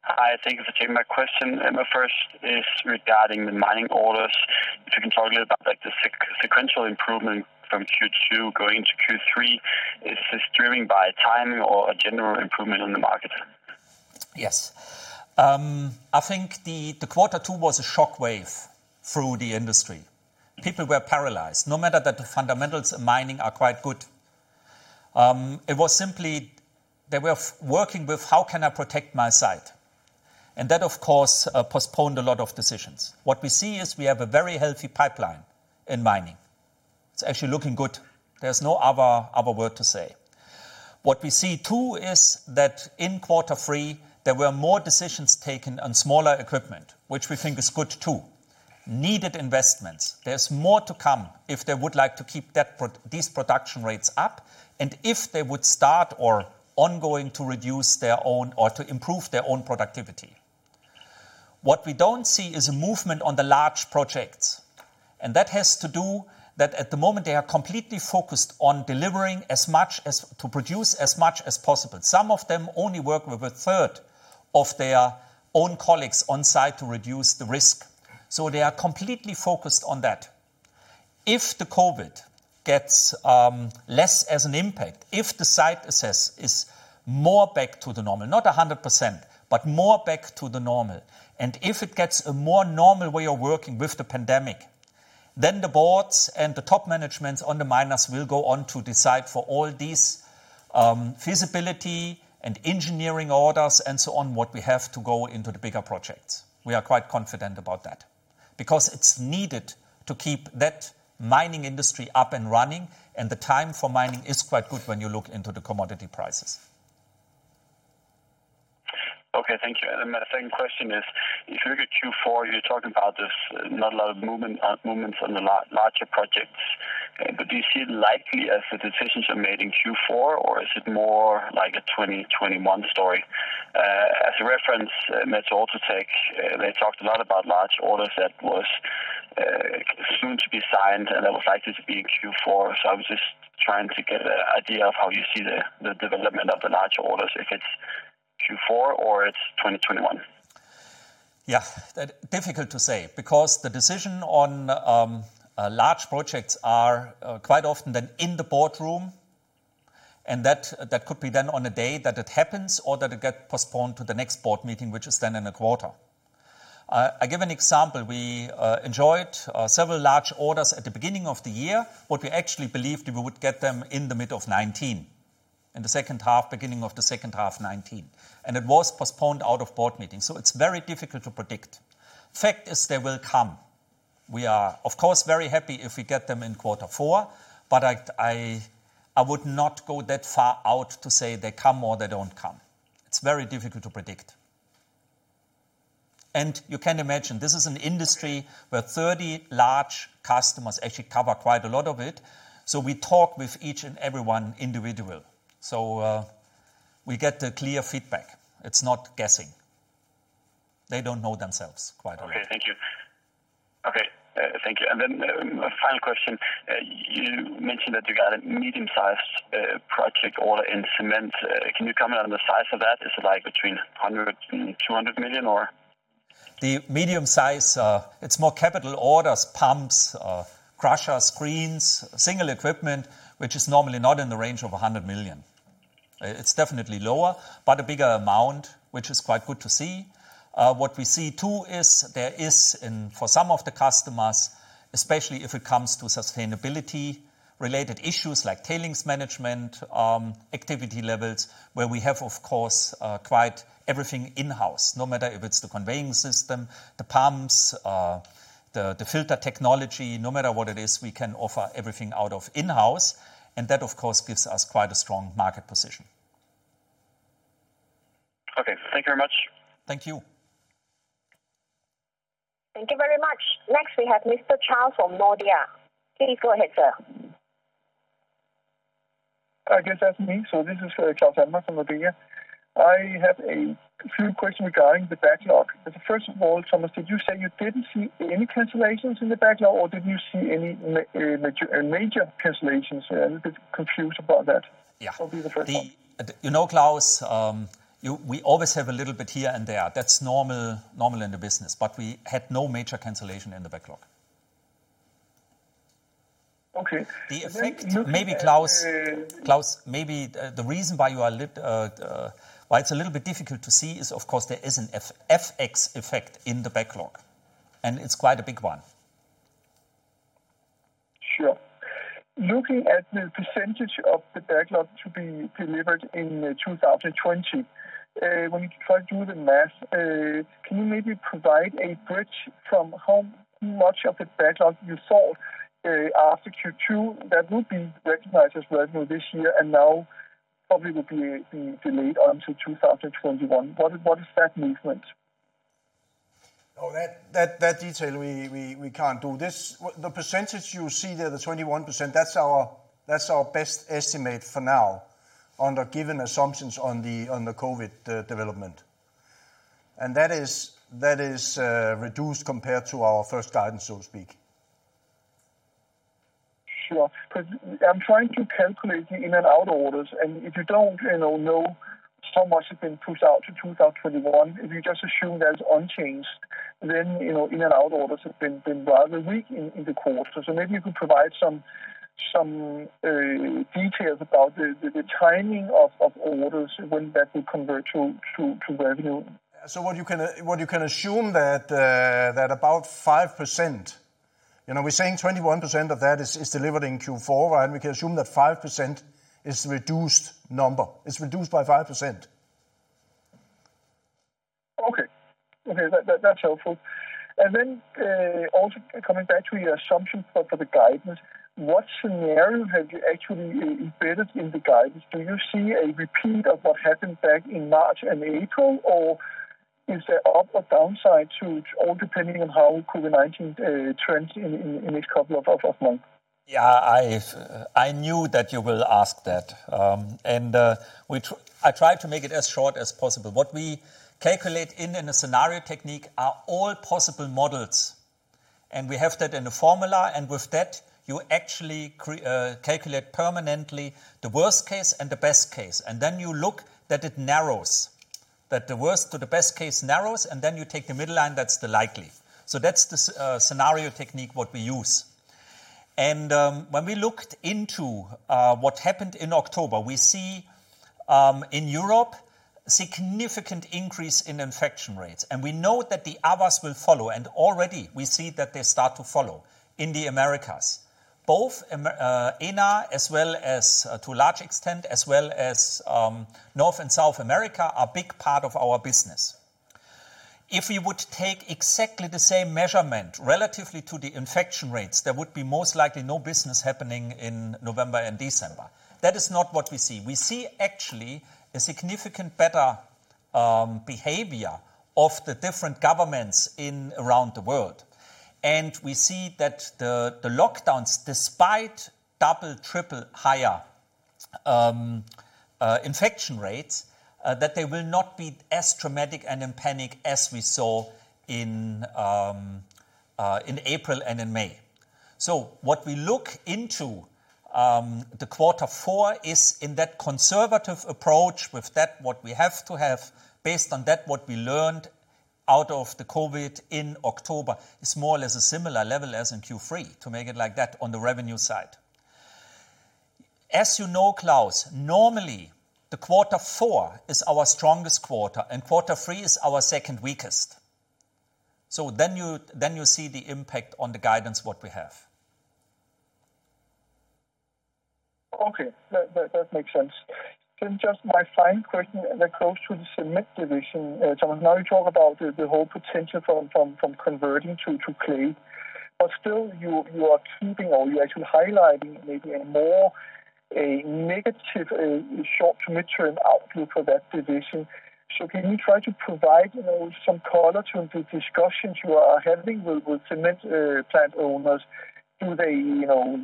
Hi. Thank you for taking my question. My first is regarding the mining orders. If you can talk a little about the sequential improvement from Q2 going to Q3. Is this driven by timing or a general improvement on the market?
Yes. I think the Q2 was a shockwave through the industry. People were paralyzed. No matter that the fundamentals in mining are quite good. It was simply they were working with how can I protect my site? That, of course, postponed a lot of decisions. What we see is we have a very healthy pipeline in mining. It's actually looking good. There's no other word to say. What we see too is that in Q3, there were more decisions taken on smaller equipment, which we think is good too. Needed investments. There's more to come if they would like to keep these production rates up and if they would start or ongoing to reduce their own or to improve their own productivity. What we don't see is a movement on the large projects, and that has to do that at the moment, they are completely focused on delivering as much as to produce as much as possible. Some of them only work with a third of their own colleagues on site to reduce the risk. They are completely focused on that. If the COVID gets less as an impact, if the site access is more back to the normal, not 100%, but more back to the normal, and if it gets a more normal way of working with the pandemic, then the boards and the top management on the miners will go on to decide for all these feasibility and engineering orders and so on what we have to go into the bigger projects. We are quite confident about that. It's needed to keep that mining industry up and running, and the time for mining is quite good when you look into the commodity prices.
Okay, thank you. My second question is, if you look at Q4, you're talking about this not a lot of movements on the larger projects. Do you see it likely as the decisions are made in Q4, or is it more like a 2021 story? As a reference, Metso Outotec, they talked a lot about large orders that was soon to be signed, and it was likely to be in Q4. I was just trying to get an idea of how you see the development of the larger orders, if it's Q4 or it's 2021.
Difficult to say because the decision on large projects are quite often then in the boardroom, and that could be then on a day that it happens or that it get postponed to the next board meeting, which is then in a quarter. I give an example. We enjoyed several large orders at the beginning of the year. What we actually believed we would get them in the mid-2019, in the second half, beginning of the second half 2019. It was postponed out of board meeting. It's very difficult to predict. Fact is they will come. We are, of course, very happy if we get them in Q4, but I would not go that far out to say they come or they don't come. It's very difficult to predict. You can imagine, this is an industry where 30 large customers actually cover quite a lot of it. We talk with each and every one individual. We get the clear feedback. It's not guessing. They don't know themselves quite okay.
Okay. Thank you. Then a final question. You mentioned that you got a medium-sized project order in cement. Can you comment on the size of that? Is it like between 100 million and 200 million or?
The medium size, it's more capital orders, pumps, crushers, screens, single equipment, which is normally not in the range of 100 million. It's definitely lower, but a bigger amount, which is quite good to see. We see too is there is in for some of the customers, especially if it comes to sustainability-related issues like tailings management, activity levels, where we have, of course, quite everything in-house, no matter if it's the conveying system, the pumps, the filter technology. No matter what it is, we can offer everything out of in-house, and that, of course, gives us quite a strong market position.
Okay. Thank you very much.
Thank you.
Thank you very much. Next, we have Mr. Claus from Nordea. Please go ahead, sir.
I guess that's me. This is Claus Almer from Nordea. I have a few questions regarding the backlog. First of all, Thomas, did you say you didn't see any cancellations in the backlog, or didn't you see any major cancellations? I'm a bit confused about that.
Yeah.
That'll be the first one.
You know, Claus, we always have a little bit here and there. That's normal in the business. We had no major cancellation in the backlog.
Okay.
The effect Maybe, Claus, the reason why it's a little bit difficult to see is, of course, there is an FX effect in the backlog, and it's quite a big one.
Sure. Looking at the % of the backlog to be delivered in 2020, when you try to do the math, can you maybe provide a bridge from how much of the backlog you sold after Q2 that would be recognized as revenue this year and now probably will be delayed until 2021? What is that movement?
Oh, that detail, we can't do. The percentage you see there, the 21%, that's our best estimate for now on the given assumptions on the COVID development. That is reduced compared to our first guidance, so to speak.
Sure. I'm trying to calculate the in and out orders, and if you don't know how much has been pushed out to 2021, if you just assume that's unchanged, then in and out orders have been rather weak in the quarter. Maybe you could provide some details about the timing of orders when that will convert to revenue.
What you can assume that about 5%. We're saying 21% of that is delivered in Q4. We can assume that 5% is reduced number. It's reduced by 5%.
Okay. That's helpful. Also coming back to your assumption for the guidance, what scenario have you actually embedded in the guidance? Do you see a repeat of what happened back in March and April, or is there up or downside to it all depending on how COVID-19 trends in this couple of months?
Yeah. I knew that you will ask that. I try to make it as short as possible. What we calculate in a scenario technique are all possible models, and we have that in a formula. With that, you actually calculate permanently the worst case and the best case. You look that it narrows, that the worst to the best case narrows, and then you take the middle line, that's the likely. That's the scenario technique what we use. When we looked into what happened in October, we see, in Europe, significant increase in infection rates, and we know that the others will follow. Already, we see that they start to follow in the Americas. Both EMEA as well as, to a large extent, as well as North and South America are big part of our business. If we would take exactly the same measurement relatively to the infection rates, there would be most likely no business happening in November and December. That is not what we see. We see actually a significant better behavior of the different governments around the world. We see that the lockdowns, despite double, triple higher infection rates, that they will not be as traumatic and in panic as we saw in April and in May. What we look into the Q4 is in that conservative approach with that what we have to have based on that what we learned out of the COVID in October is more or less a similar level as in Q3, to make it like that on the revenue side. As you know, Claus, normally, the Q4 is our strongest quarter, and Q3 is our second weakest. You see the impact on the guidance what we have.
Okay. That makes sense. Just my final question that goes to the cement division. Thomas, now you talk about the whole potential from converting to clay. Still, you are keeping or you're actually highlighting maybe a more negative short to mid-term outlook for that division. Can you try to provide some color to the discussions you are having with cement plant owners? Do they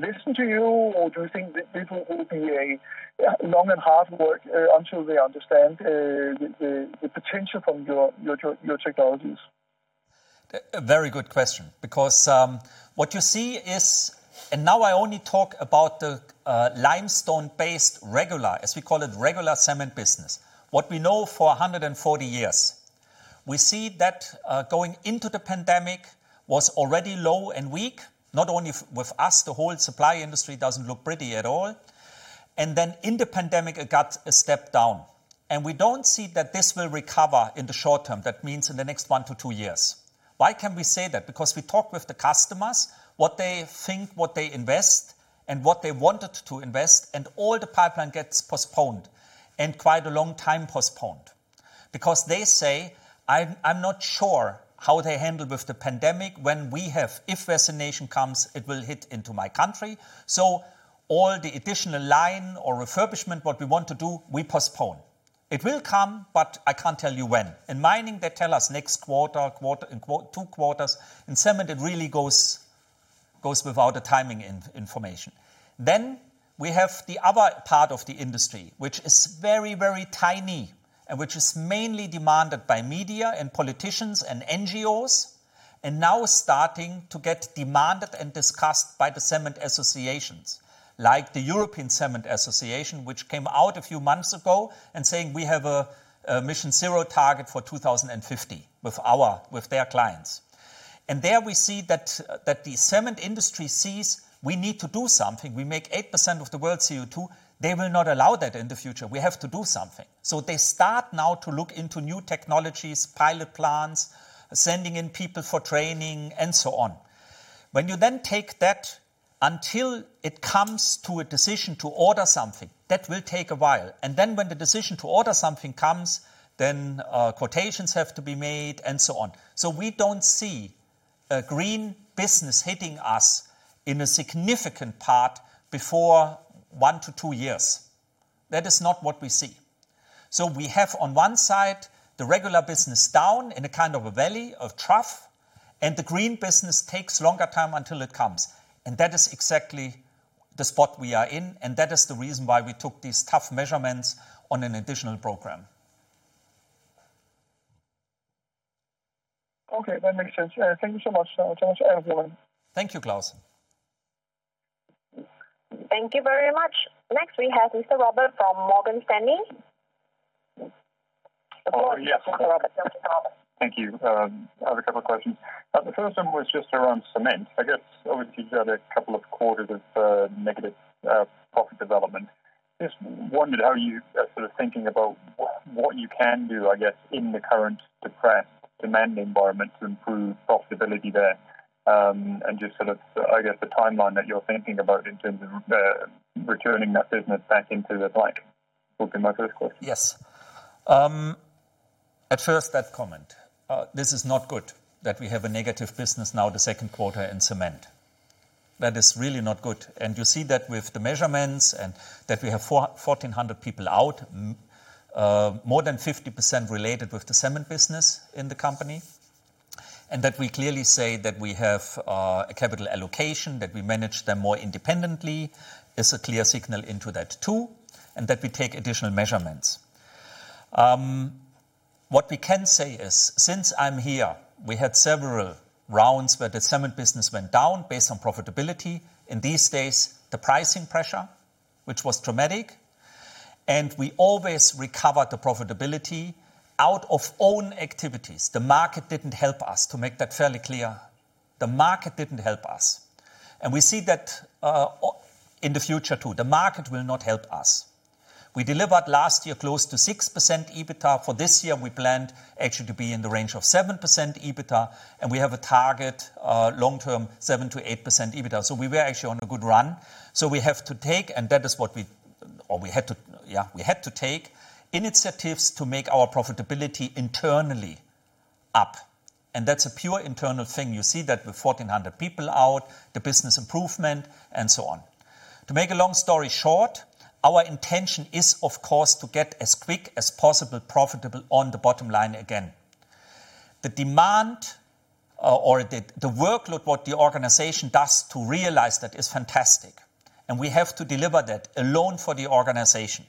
listen to you, or do you think that this will be a long and hard work until they understand the potential from your technologies?
A very good question what you see is, now I only talk about the limestone-based regular, as we call it, regular Cement business, what we know for 140 years. We see that going into the pandemic was already low and weak, not only with us, the whole supply industry doesn't look pretty at all. In the pandemic, it got a step down. We don't see that this will recover in the short term. That means in the next one to two years. Why can we say that? We talk with the customers, what they think, what they invest, what they wanted to invest, all the pipeline gets postponed, quite a long time postponed. They say, I'm not sure how they handle with the pandemic. If vaccination comes, it will hit into my country. All the additional line or refurbishment, what we want to do, we postpone. It will come, I can't tell you when. In mining, they tell us next quarter, in two quarters. In cement, it really goes without the timing information. We have the other part of the industry, which is very, very tiny, and which is mainly demanded by media and politicians and NGOs, and now starting to get demanded and discussed by the cement associations, like the European Cement Association, which came out a few months ago and saying, "We have a MissionZero target for 2050" with their clients. There we see that the cement industry sees we need to do something. We make 8% of the world's CO2. They will not allow that in the future. We have to do something. They start now to look into new technologies, pilot plans, sending in people for training, and so on. When you take that until it comes to a decision to order something, that will take a while. When the decision to order something comes, quotations have to be made and so on. We don't see a green business hitting us in a significant part before one to two years. That is not what we see. We have on one side, the regular business down in a kind of a valley, a trough, and the green business takes longer time until it comes. That is exactly the spot we are in, and that is the reason why we took these tough measurements on an additional program.
Okay, that makes sense. Yeah. Thank you so much. I have one.
Thank you, Claus.
Thank you very much. Next, we have Mr. Robert from Morgan Stanley.
Oh, yes.
Go ahead, Mr. Robert.
Thank you. I have a couple questions. The first one was just around cement. I guess, obviously, you've had a couple of quarters of negative profit development. Just wondered how you are thinking about what you can do, I guess, in the current depressed demand environment to improve profitability there, and just the timeline that you're thinking about in terms of returning that business back into the black. Would be my first question.
Yes. At first, that comment. This is not good that we have a negative business now the Q2 in cement. That is really not good. You see that with the measurements and that we have 1,400 people out, more than 50% related with the Cement business in the company. That we clearly say that we have a capital allocation, that we manage them more independently is a clear signal into that, too, and that we take additional measurements. What we can say is, since I'm here, we had several rounds where the Cement business went down based on profitability. In these days, the pricing pressure, which was dramatic, and we always recovered the profitability out of own activities. The market didn't help us, to make that fairly clear. The market didn't help us. We see that in the future, too. The market will not help us. We delivered last year close to 6% EBITDA. For this year, we planned actually to be in the range of 7% EBITDA, and we have a target long-term 7%-8% EBITDA. We were actually on a good run. We had to take initiatives to make our profitability internally up. That's a pure internal thing. You see that with 1,400 people out, the business improvement, and so on. To make a long story short, our intention is, of course, to get as quick as possible profitable on the bottom line again. The demand or the workload what the organization does to realize that is fantastic, and we have to deliver that alone for the organization.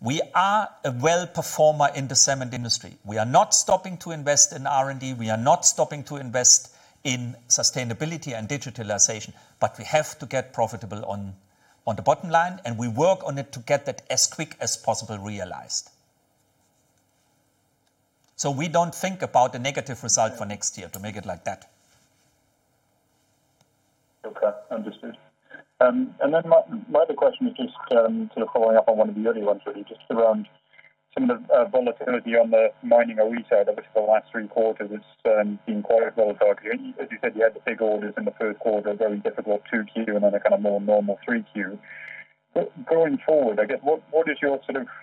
We are a well performer in the cement industry. We are not stopping to invest in R&D. We are not stopping to invest in sustainability and digitalization. We have to get profitable on the bottom line, and we work on it to get that as quick as possible realized. We don't think about a negative result for next year, to make it like that.
Okay. Understood. Then my other question is just following up on one of the early ones, really, just around some of the volatility on the mining EBITDA, which for the last three quarters has been quite volatile. As you said, you had the big orders in the Q1, very difficult Q2, and then a more normal Q3. Going forward, I guess, what is your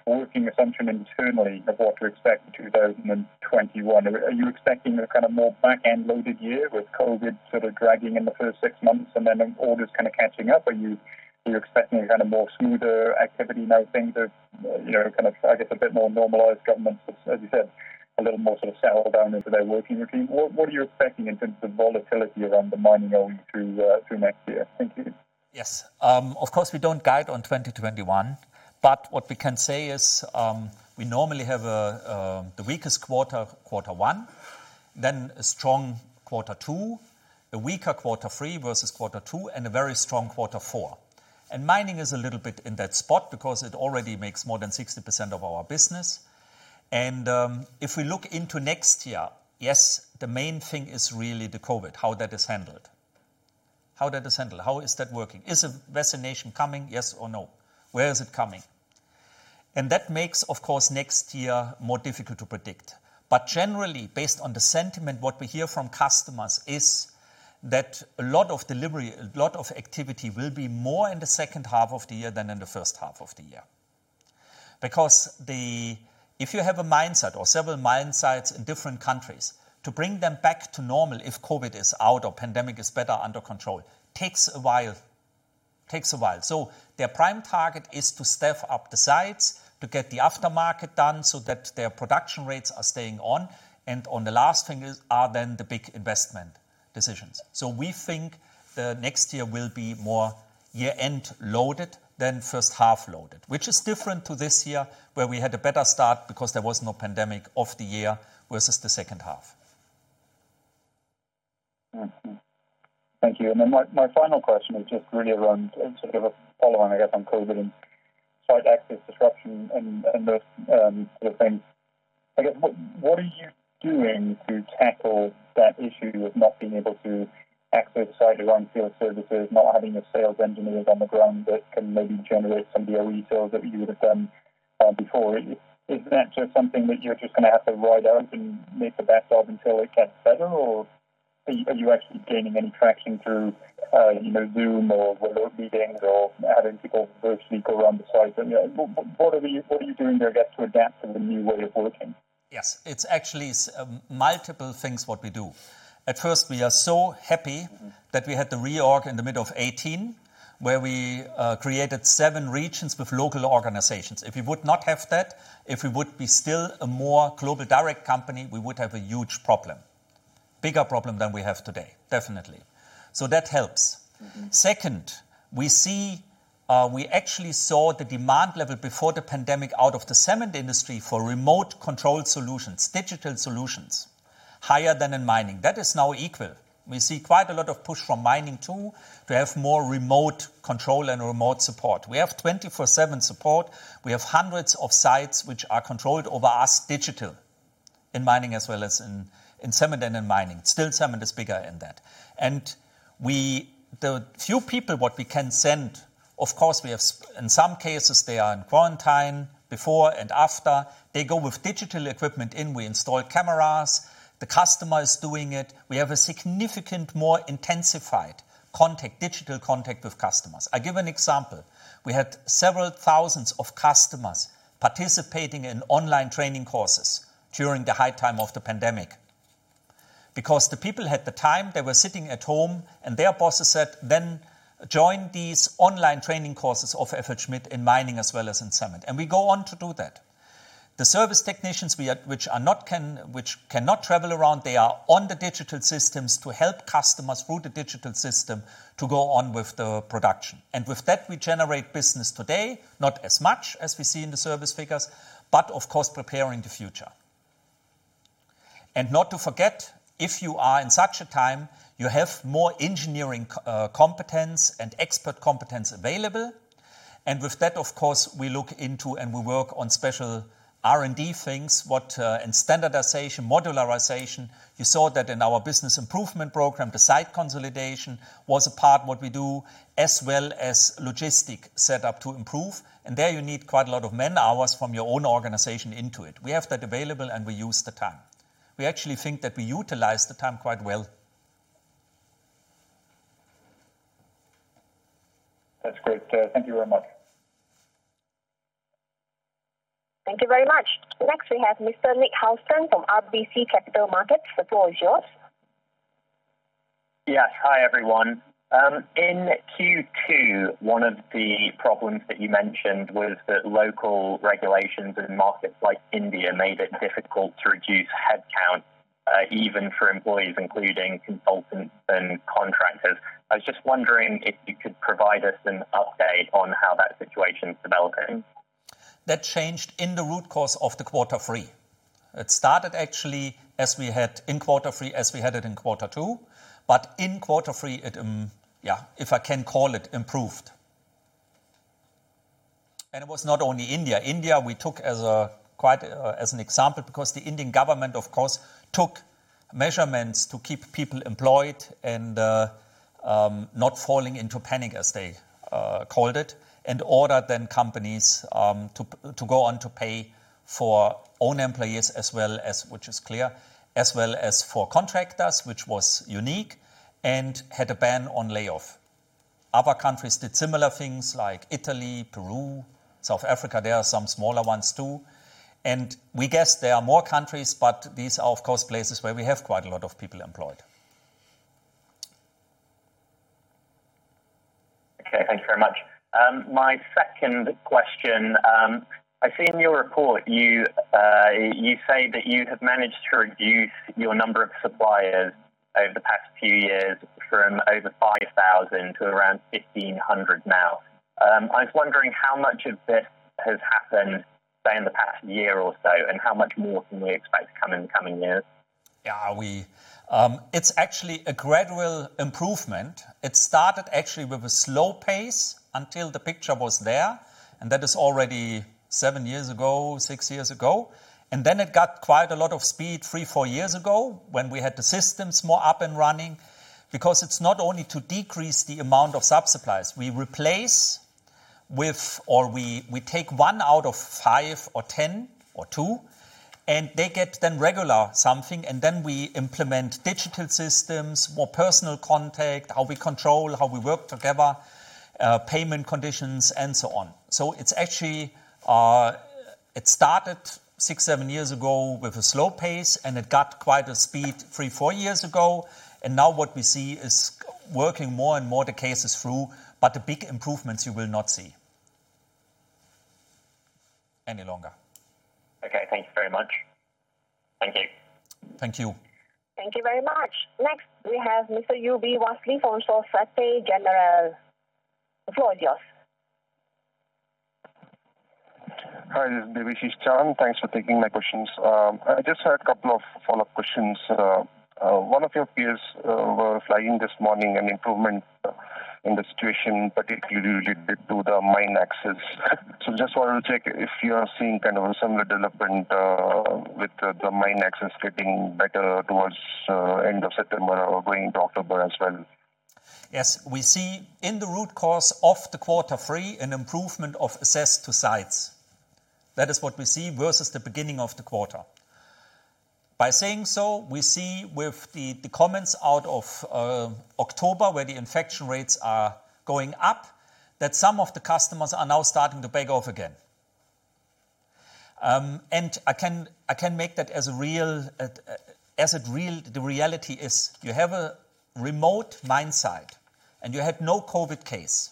working assumption internally of what to expect in 2021? Are you expecting a more back-end loaded year with COVID dragging in the first six months and then orders catching up? Are you expecting a more smoother activity now things are, I guess a bit more normalized, governments, as you said, a little more settled down into their working routine. What are you expecting in terms of volatility around the mining going through next year? Thank you.
Yes. Of course, we don't guide on 2021. What we can say is, we normally have the weakest Q1, then a strong Q2, a weaker Q3 versus Q2, and a very strong Q4. Mining is a little bit in that spot because it already makes more than 60% of our business. If we look into next year, yes, the main thing is really the COVID, how that is handled. How did they handle? How is that working? Is a vaccination coming, yes or no? Where is it coming? That makes, of course, next year more difficult to predict. Generally, based on the sentiment, what we hear from customers is that a lot of delivery, a lot of activity will be more in the second half of the year than in the first half of the year. Because if you have a mine site or several mine sites in different countries, to bring them back to normal if COVID is out or pandemic is better under control, takes a while. Their prime target is to staff up the sites, to get the aftermarket done so that their production rates are staying on. On the last thing is, are then the big investment decisions. We think the next year will be more year-end loaded than first half loaded, which is different to this year where we had a better start because there was no pandemic of the year versus the second half.
Thank you. My final question is just really around sort of a follow-on, I guess, on COVID and site access disruption and those sort of things. I guess, what are you doing to tackle that issue of not being able to access site around field services, not having your sales engineers on the ground that can maybe generate some DOE sales that you would have done before? Is that just something that you're just going to have to ride out and make the best of until it gets better, or are you actually gaining any traction through either Zoom or remote meetings or having people virtually go around the site? What are you doing there, I guess, to adapt to the new way of working?
Yes, it's actually multiple things what we do. At first, we are so happy that we had the reorg in the middle of 2018, where we created seven regions with local organizations. If we would not have that, if we would be still a more global direct company, we would have a huge problem, bigger problem than we have today, definitely. That helps. We actually saw the demand level before the pandemic out of the cement industry for remote control solutions, digital solutions, higher than in mining. That is now equal. We see quite a lot of push from mining, too, to have more remote control and remote support. We have 24/7 support. We have hundreds of sites which are controlled over us digital in mining as well as in cement and in mining. Still, cement is bigger in that. The few people what we can send, of course, we have in some cases, they are in quarantine before and after. They go with digital equipment in. We install cameras. The customer is doing it. We have a significant, more intensified digital contact with customers. I give an example. We had several thousands of customers participating in online training courses during the high time of the pandemic because the people had the time, they were sitting at home, and their bosses said, "Join these online training courses of FLSmidth in mining as well as in cement." We go on to do that. The service technicians which cannot travel around, they are on the digital systems to help customers through the digital system to go on with the production. With that, we generate business today, not as much as we see in the service figures, but of course, preparing the future. Not to forget, if you are in such a time, you have more engineering competence and expert competence available. With that, of course, we look into and we work on special R&D things and standardization, modularization. You saw that in our business improvement program. The site consolidation was a part what we do, as well as logistic set up to improve. There you need quite a lot of man-hours from your own organization into it. We have that available, and we use the time. We actually think that we utilize the time quite well.
That's great. Thank you very much.
Thank you very much. Next, we have Mr. Nick Housden from RBC Capital Markets. The floor is yours.
Yes. Hi, everyone. In Q2, one of the problems that you mentioned was that local regulations in markets like India made it difficult to reduce headcount, even for employees, including consultants and contractors. I was just wondering if you could provide us an update on how that situation's developing.
That changed in the root cause of the Q3. It started actually in Q3 as we had it in Q2. In Q3, if I can call it, improved. It was not only India. India, we took as an example because the Indian government, of course, took measurements to keep people employed and not falling into panic as they called it, and ordered then companies to go on to pay for own employees, which is clear, as well as for contractors, which was unique, and had a ban on layoff. Other countries did similar things like Italy, Peru, South Africa. There are some smaller ones, too. We guess there are more countries. These are, of course, places where we have quite a lot of people employed.
Okay, thank you very much. My second question, I see in your report you say that you have managed to reduce your number of suppliers over the past few years from over 5,000 to around 1,500 now. I was wondering how much of this has happened, say, in the past year or so, and how much more can we expect to come in the coming years?
It's actually a gradual improvement. It started actually with a slow pace until the picture was there, and that is already seven years ago, six years ago. Then it got quite a lot of speed three, four years ago when we had the systems more up and running. It's not only to decrease the amount of sub-suppliers. We take one out of five or 10 or two, and they get then regular something. Then we implement digital systems, more personal contact, how we control, how we work together, payment conditions, and so on. It started six, seven years ago with a slow pace, and it got quite a speed three, four years ago. Now what we see is working more and more the cases through, but the big improvements you will not see any longer.
Okay, thank you very much. Thank you.
Thank you.
Thank you very much. Next, we have Mr. U.B. Wasley from Societe Generale. The floor is yours.
Hi, this is [Debashis Chand]. Thanks for taking my questions. I just had a couple of follow-up questions. One of your peers were flying this morning, an improvement in the situation particularly related to the mine access. Just wanted to check if you are seeing a similar development with the mine access getting better towards end of September or going to October as well.
Yes, we see in the root cause of the Q3 an improvement of access to sites. That is what we see versus the beginning of the quarter. We see with the comments out of October, where the infection rates are going up, that some of the customers are now starting to back off again. I can make that as the reality is you have a remote mine site, and you had no COVID case.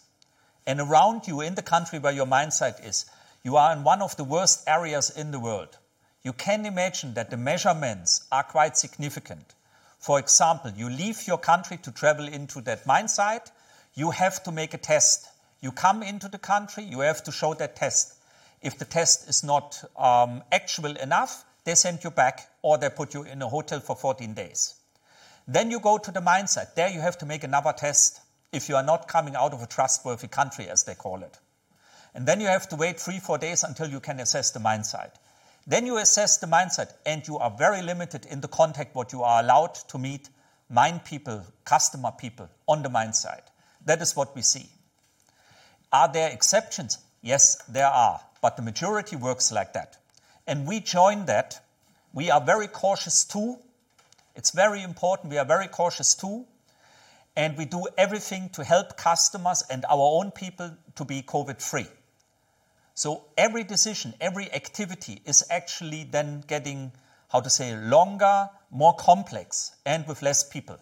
Around you in the country where your mine site is, you are in one of the worst areas in the world. You can imagine that the measurements are quite significant. For example, you leave your country to travel into that mine site, you have to make a test. You come into the country, you have to show that test. If the test is not actual enough, they send you back, or they put you in a hotel for 14 days. You go to the mine site. There you have to make another test if you are not coming out of a trustworthy country, as they call it. You have to wait three, four days until you can access the mine site. You access the mine site, and you are very limited in the contact what you are allowed to meet mine people, customer people on the mine site. That is what we see. Are there exceptions? Yes, there are. The majority works like that. We join that. We are very cautious, too. It's very important. We are very cautious, too, and we do everything to help customers and our own people to be COVID-free. Every decision, every activity is actually then getting, how to say, longer, more complex, and with less people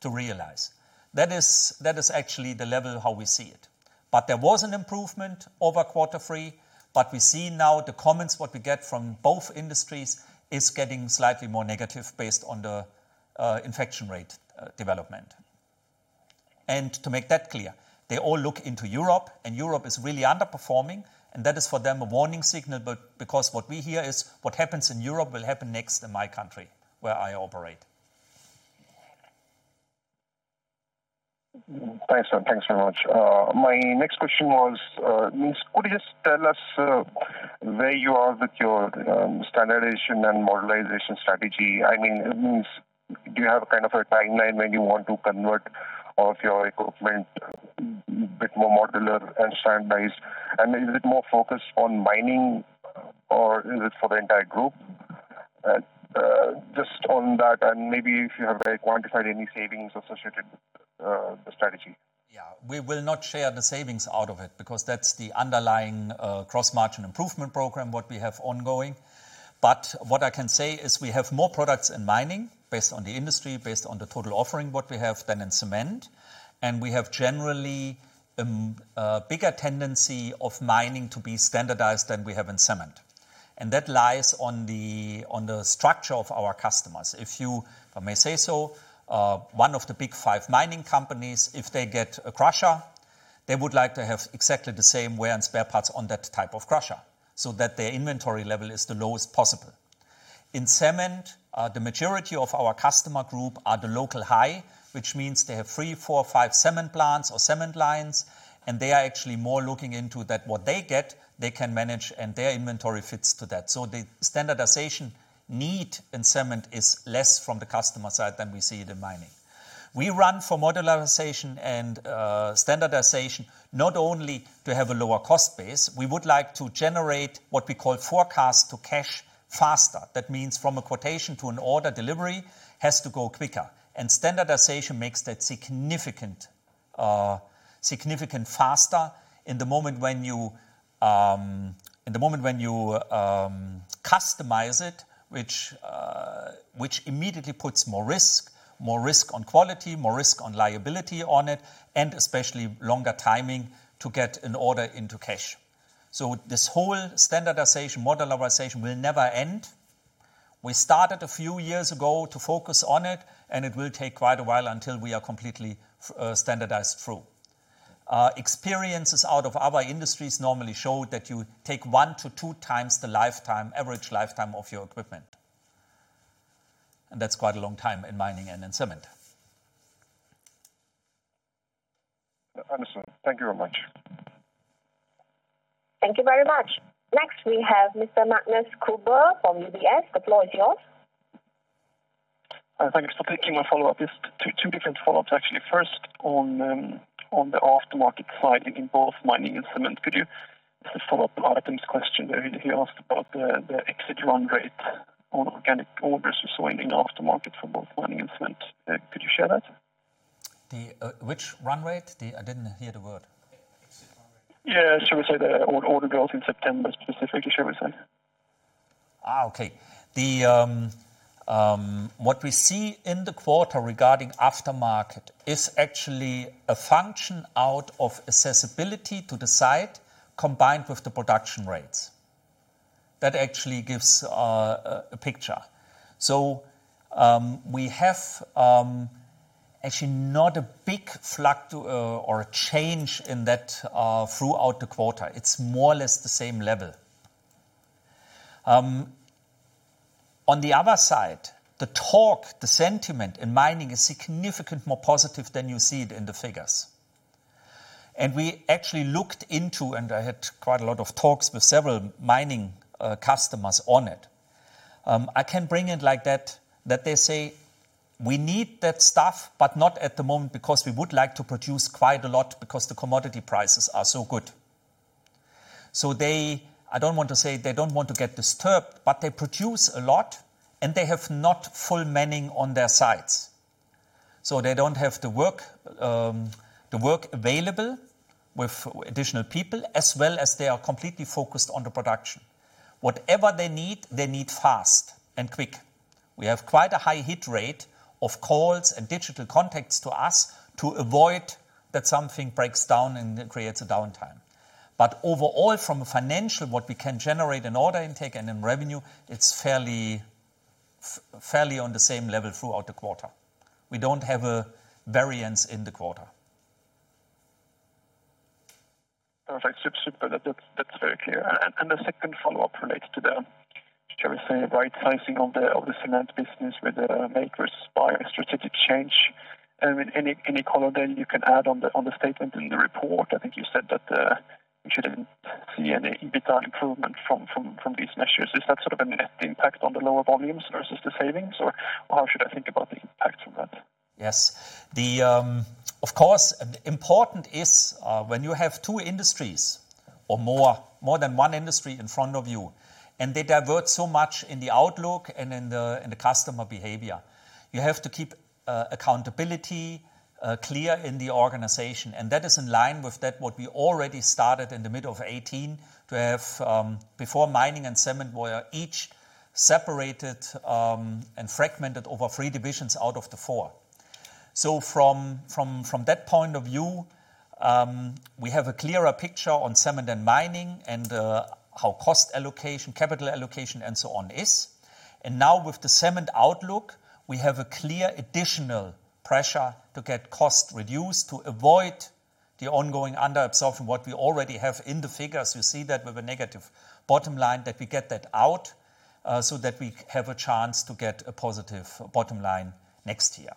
to realize. That is actually the level how we see it. There was an improvement over Q3. We see now the comments what we get from both industries is getting slightly more negative based on the infection rate development. To make that clear, they all look into Europe, and Europe is really underperforming, and that is for them a warning signal. Because what we hear is, "What happens in Europe will happen next in my country where I operate."
Thanks, sir. Thanks very much. My next question was, could you just tell us where you are with your standardization and modularization strategy? Do you have a timeline when you want to convert all of your equipment a bit more modular and standardized? Is it more focused on mining or is it for the entire group? Just on that and maybe if you have quantified any savings associated with the strategy.
Yeah. We will not share the savings out of it because that's the underlying cross-margin improvement program what we have ongoing. What I can say is we have more products in mining based on the industry, based on the total offering what we have than in cement, and we have generally a bigger tendency of mining to be standardized than we have in cement. That lies on the structure of our customers. If you, if I may say so, one of the big five mining companies, if they get a crusher, they would like to have exactly the same wear and spare parts on that type of crusher so that their inventory level is the lowest possible. In cement, the majority of our customer group are the local high, which means they have three, four, five cement plants or cement lines, and they are actually more looking into that what they get, they can manage, and their inventory fits to that. The standardization need in cement is less from the customer side than we see in the mining. We run for modularization and standardization not only to have a lower cost base. We would like to generate what we call forecast-to-cash faster. That means from a quotation to an order delivery has to go quicker. Standardization makes that significant faster in the moment when you customize it, which immediately puts more risk on quality, more risk on liability on it, and especially longer timing to get an order into cash. This whole standardization, modularization will never end. We started a few years ago to focus on it, and it will take quite a while until we are completely standardized through. Experiences out of other industries normally show that you take one to two times the average lifetime of your equipment, and that's quite a long time in mining and in cement.
Understood. Thank you very much.
Thank you very much. Next, we have Mr. Magnus Kruber from UBS. The floor is yours.
Thank you for taking my follow-up. Just two different follow-ups, actually. First, on the aftermarket side in both mining and cement. This is a follow-up on Artem's question. He asked about the exit run rate on organic orders you saw in the aftermarket for both mining and cement. Could you share that?
Which run rate? I didn't hear the word.
Yeah. Shall we say the order growth in September specifically? Shall we say?
Okay. What we see in the quarter regarding aftermarket is actually a function out of accessibility to the site combined with the production rates. That actually gives a picture. We have actually not a big fluctuation or a change in that throughout the quarter. It's more or less the same level. On the other side, the talk, the sentiment in mining is significantly more positive than you see it in the figures. We actually looked into, and I had quite a lot of talks with several mining customers on it. I can bring it like that they say, "We need that stuff, but not at the moment because we would like to produce quite a lot because the commodity prices are so good." They, I don't want to say they don't want to get disturbed, but they produce a lot, and they have not full manning on their sites. They don't have the work available with additional people, as well as they are completely focused on the production. Whatever they need, they need fast and quick. We have quite a high hit rate of calls and digital contacts to us to avoid that something breaks down and creates a downtime. Overall, from a financial, what we can generate in order intake and in revenue, it's fairly on the same level throughout the quarter. We don't have a variance in the quarter.
Perfect. Super. That's very clear. The second follow-up relates to the, shall we say, right-sizing of the Cement business with the makers by a strategic change. Any color you can add on the statement in the report? I think you said that we shouldn't see any EBITDA improvement from these measures. Is that sort of a net impact on the lower volumes versus the savings? How should I think about the impact from that?
Yes. Of course, important is when you have two industries or more than one industry in front of you, and they diverge so much in the outlook and in the customer behavior. You have to keep accountability clear in the organization. That is in line with what we already started in the middle of 2018, to have before mining and cement were each separated and fragmented over three divisions out of the four. From that point of view, we have a clearer picture on cement and mining and how cost allocation, capital allocation, and so on is. Now with the cement outlook, we have a clear additional pressure to get costs reduced to avoid the ongoing under absorption. What we already have in the figures, you see that with a negative bottom line, that we get that out, so that we have a chance to get a positive bottom line next year.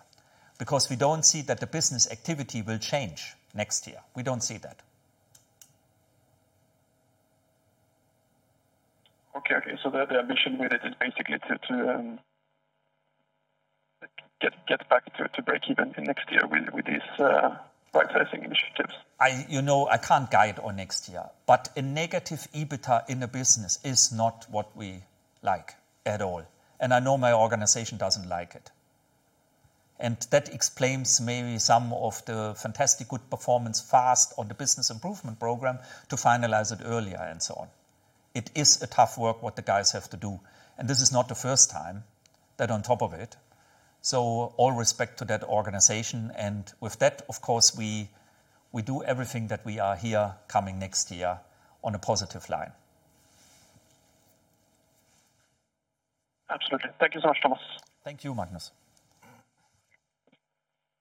We don't see that the business activity will change next year. We don't see that.
Okay. Their mission with it is basically to get back to break even in next year with these right-sizing initiatives.
I can't guide on next year, a negative EBITDA in a business is not what we like at all. I know my organization doesn't like it. That explains maybe some of the fantastic good performance fast on the business improvement program to finalize it earlier and so on. It is a tough work what the guys have to do, and this is not the first time that on top of it. All respect to that organization. With that, of course, we do everything that we are here coming next year on a positive line.
Absolutely. Thank you so much, Thomas.
Thank you, Magnus.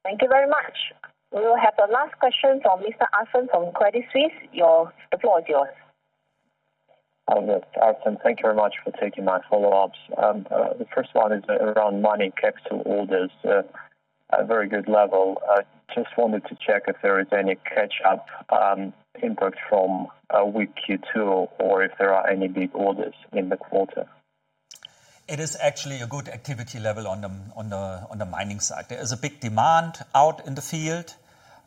Thank you very much. We will have the last question from Mr. Artem from Credit Suisse. Your floor is yours.
Thank you very much for taking my follow-ups. The first one is around mining capital orders. A very good level. I just wanted to check if there is any catch-up input from weak Q2 or if there are any big orders in the quarter.
It is actually a good activity level on the mining side. There is a big demand out in the field.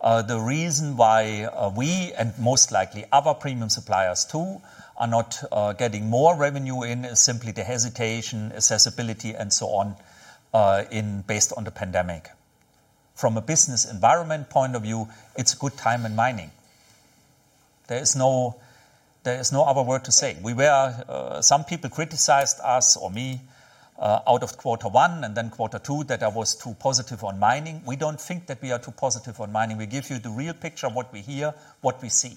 The reason why we, and most likely other premium suppliers too, are not getting more revenue in is simply the hesitation, accessibility, and so on, based on the pandemic. From a business environment point of view, it's a good time in mining. There is no other word to say. Some people criticized us or me out of Q1 and then Q2 that I was too positive on mining. We don't think that we are too positive on mining. We give you the real picture of what we hear, what we see.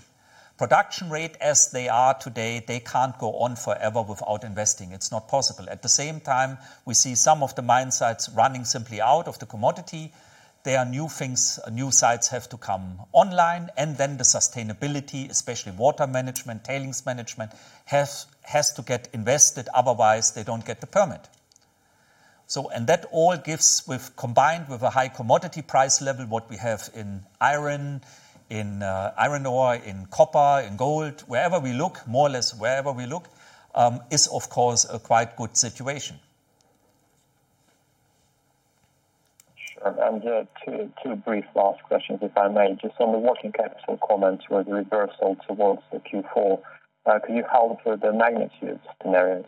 Production rate as they are today, they can't go on forever without investing. It's not possible. At the same time, we see some of the mine sites running simply out of the commodity. There are new things. New sites have to come online, and then the sustainability, especially water management, tailings management, has to get invested, otherwise they don't get the permit. That all gives, combined with a high commodity price level, what we have in iron ore, in copper, in gold. Wherever we look, more or less wherever we look, is of course a quite good situation.
Two brief last questions, if I may. Just on the working capital comments or the reversal towards the Q4, can you help with the magnitude scenarios?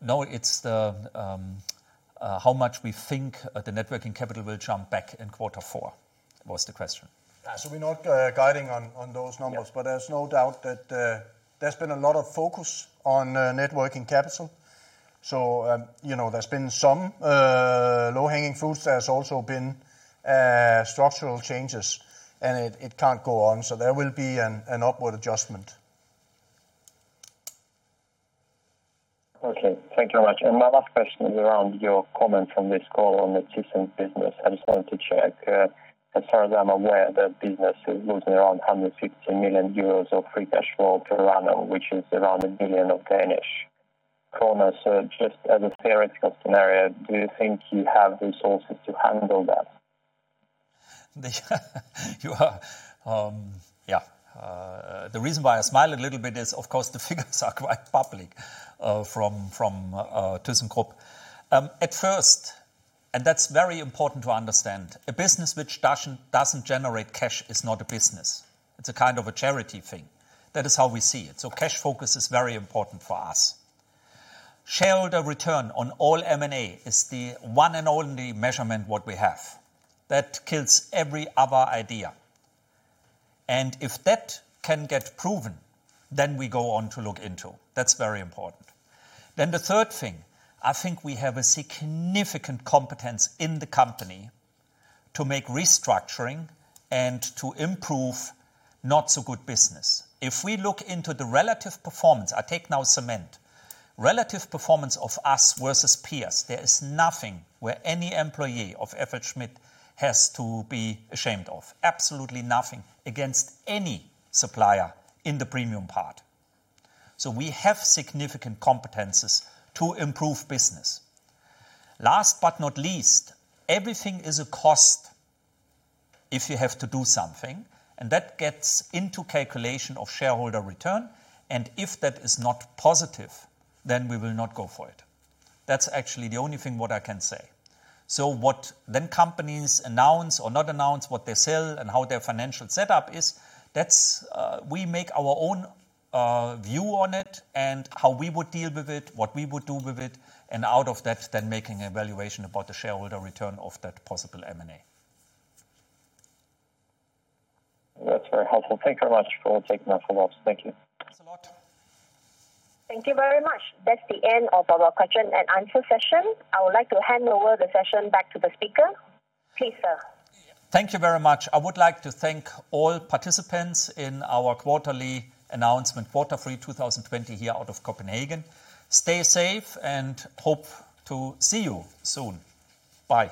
No, it's how much we think the net working capital will jump back in Q4, was the question.
We're not guiding on those numbers. There's no doubt that there's been a lot of focus on net working capital. There's been some low-hanging fruits. There's also been structural changes. It can't go on. There will be an upward adjustment.
Okay. Thank you very much. My last question is around your comment from this call on the thyssen business. I just wanted to check. As far as I'm aware, that business is losing around 150 million euros of free cash flow per annum, which is around 1 billion. Just as a theoretical scenario, do you think you have resources to handle that?
The reason why I smile a little bit is, of course, the figures are quite public from thyssenkrupp. At first, and that's very important to understand, a business which doesn't generate cash is not a business. It's a kind of a charity thing. That is how we see it. Cash focus is very important for us. Shareholder return on all M&A is the one and only measurement what we have. That kills every other idea. If that can get proven, we go on to look into. That's very important. The third thing, I think we have a significant competence in the company to make restructuring and to improve not so good business. If we look into the relative performance, I take now cement. Relative performance of us versus peers, there is nothing where any employee of FLSmidth has to be ashamed of. Absolutely nothing against any supplier in the premium part. We have significant competencies to improve business. Last but not least, everything is a cost if you have to do something, and that gets into calculation of shareholder return, and if that is not positive, then we will not go for it. That's actually the only thing what I can say. What then companies announce or not announce what they sell and how their financial setup is, we make our own view on it and how we would deal with it, what we would do with it, and out of that, then making a valuation about the shareholder return of that possible M&A.
That's very helpful. Thank you very much for taking our call. Thank you.
Thanks a lot.
Thank you very much. That's the end of our question-and-answer session. I would like to hand over the session back to the speaker. Please, sir.
Thank you very much. I would like to thank all participants in our quarterly announcement, Q3 2020 here out of Copenhagen. Stay safe and hope to see you soon. Bye.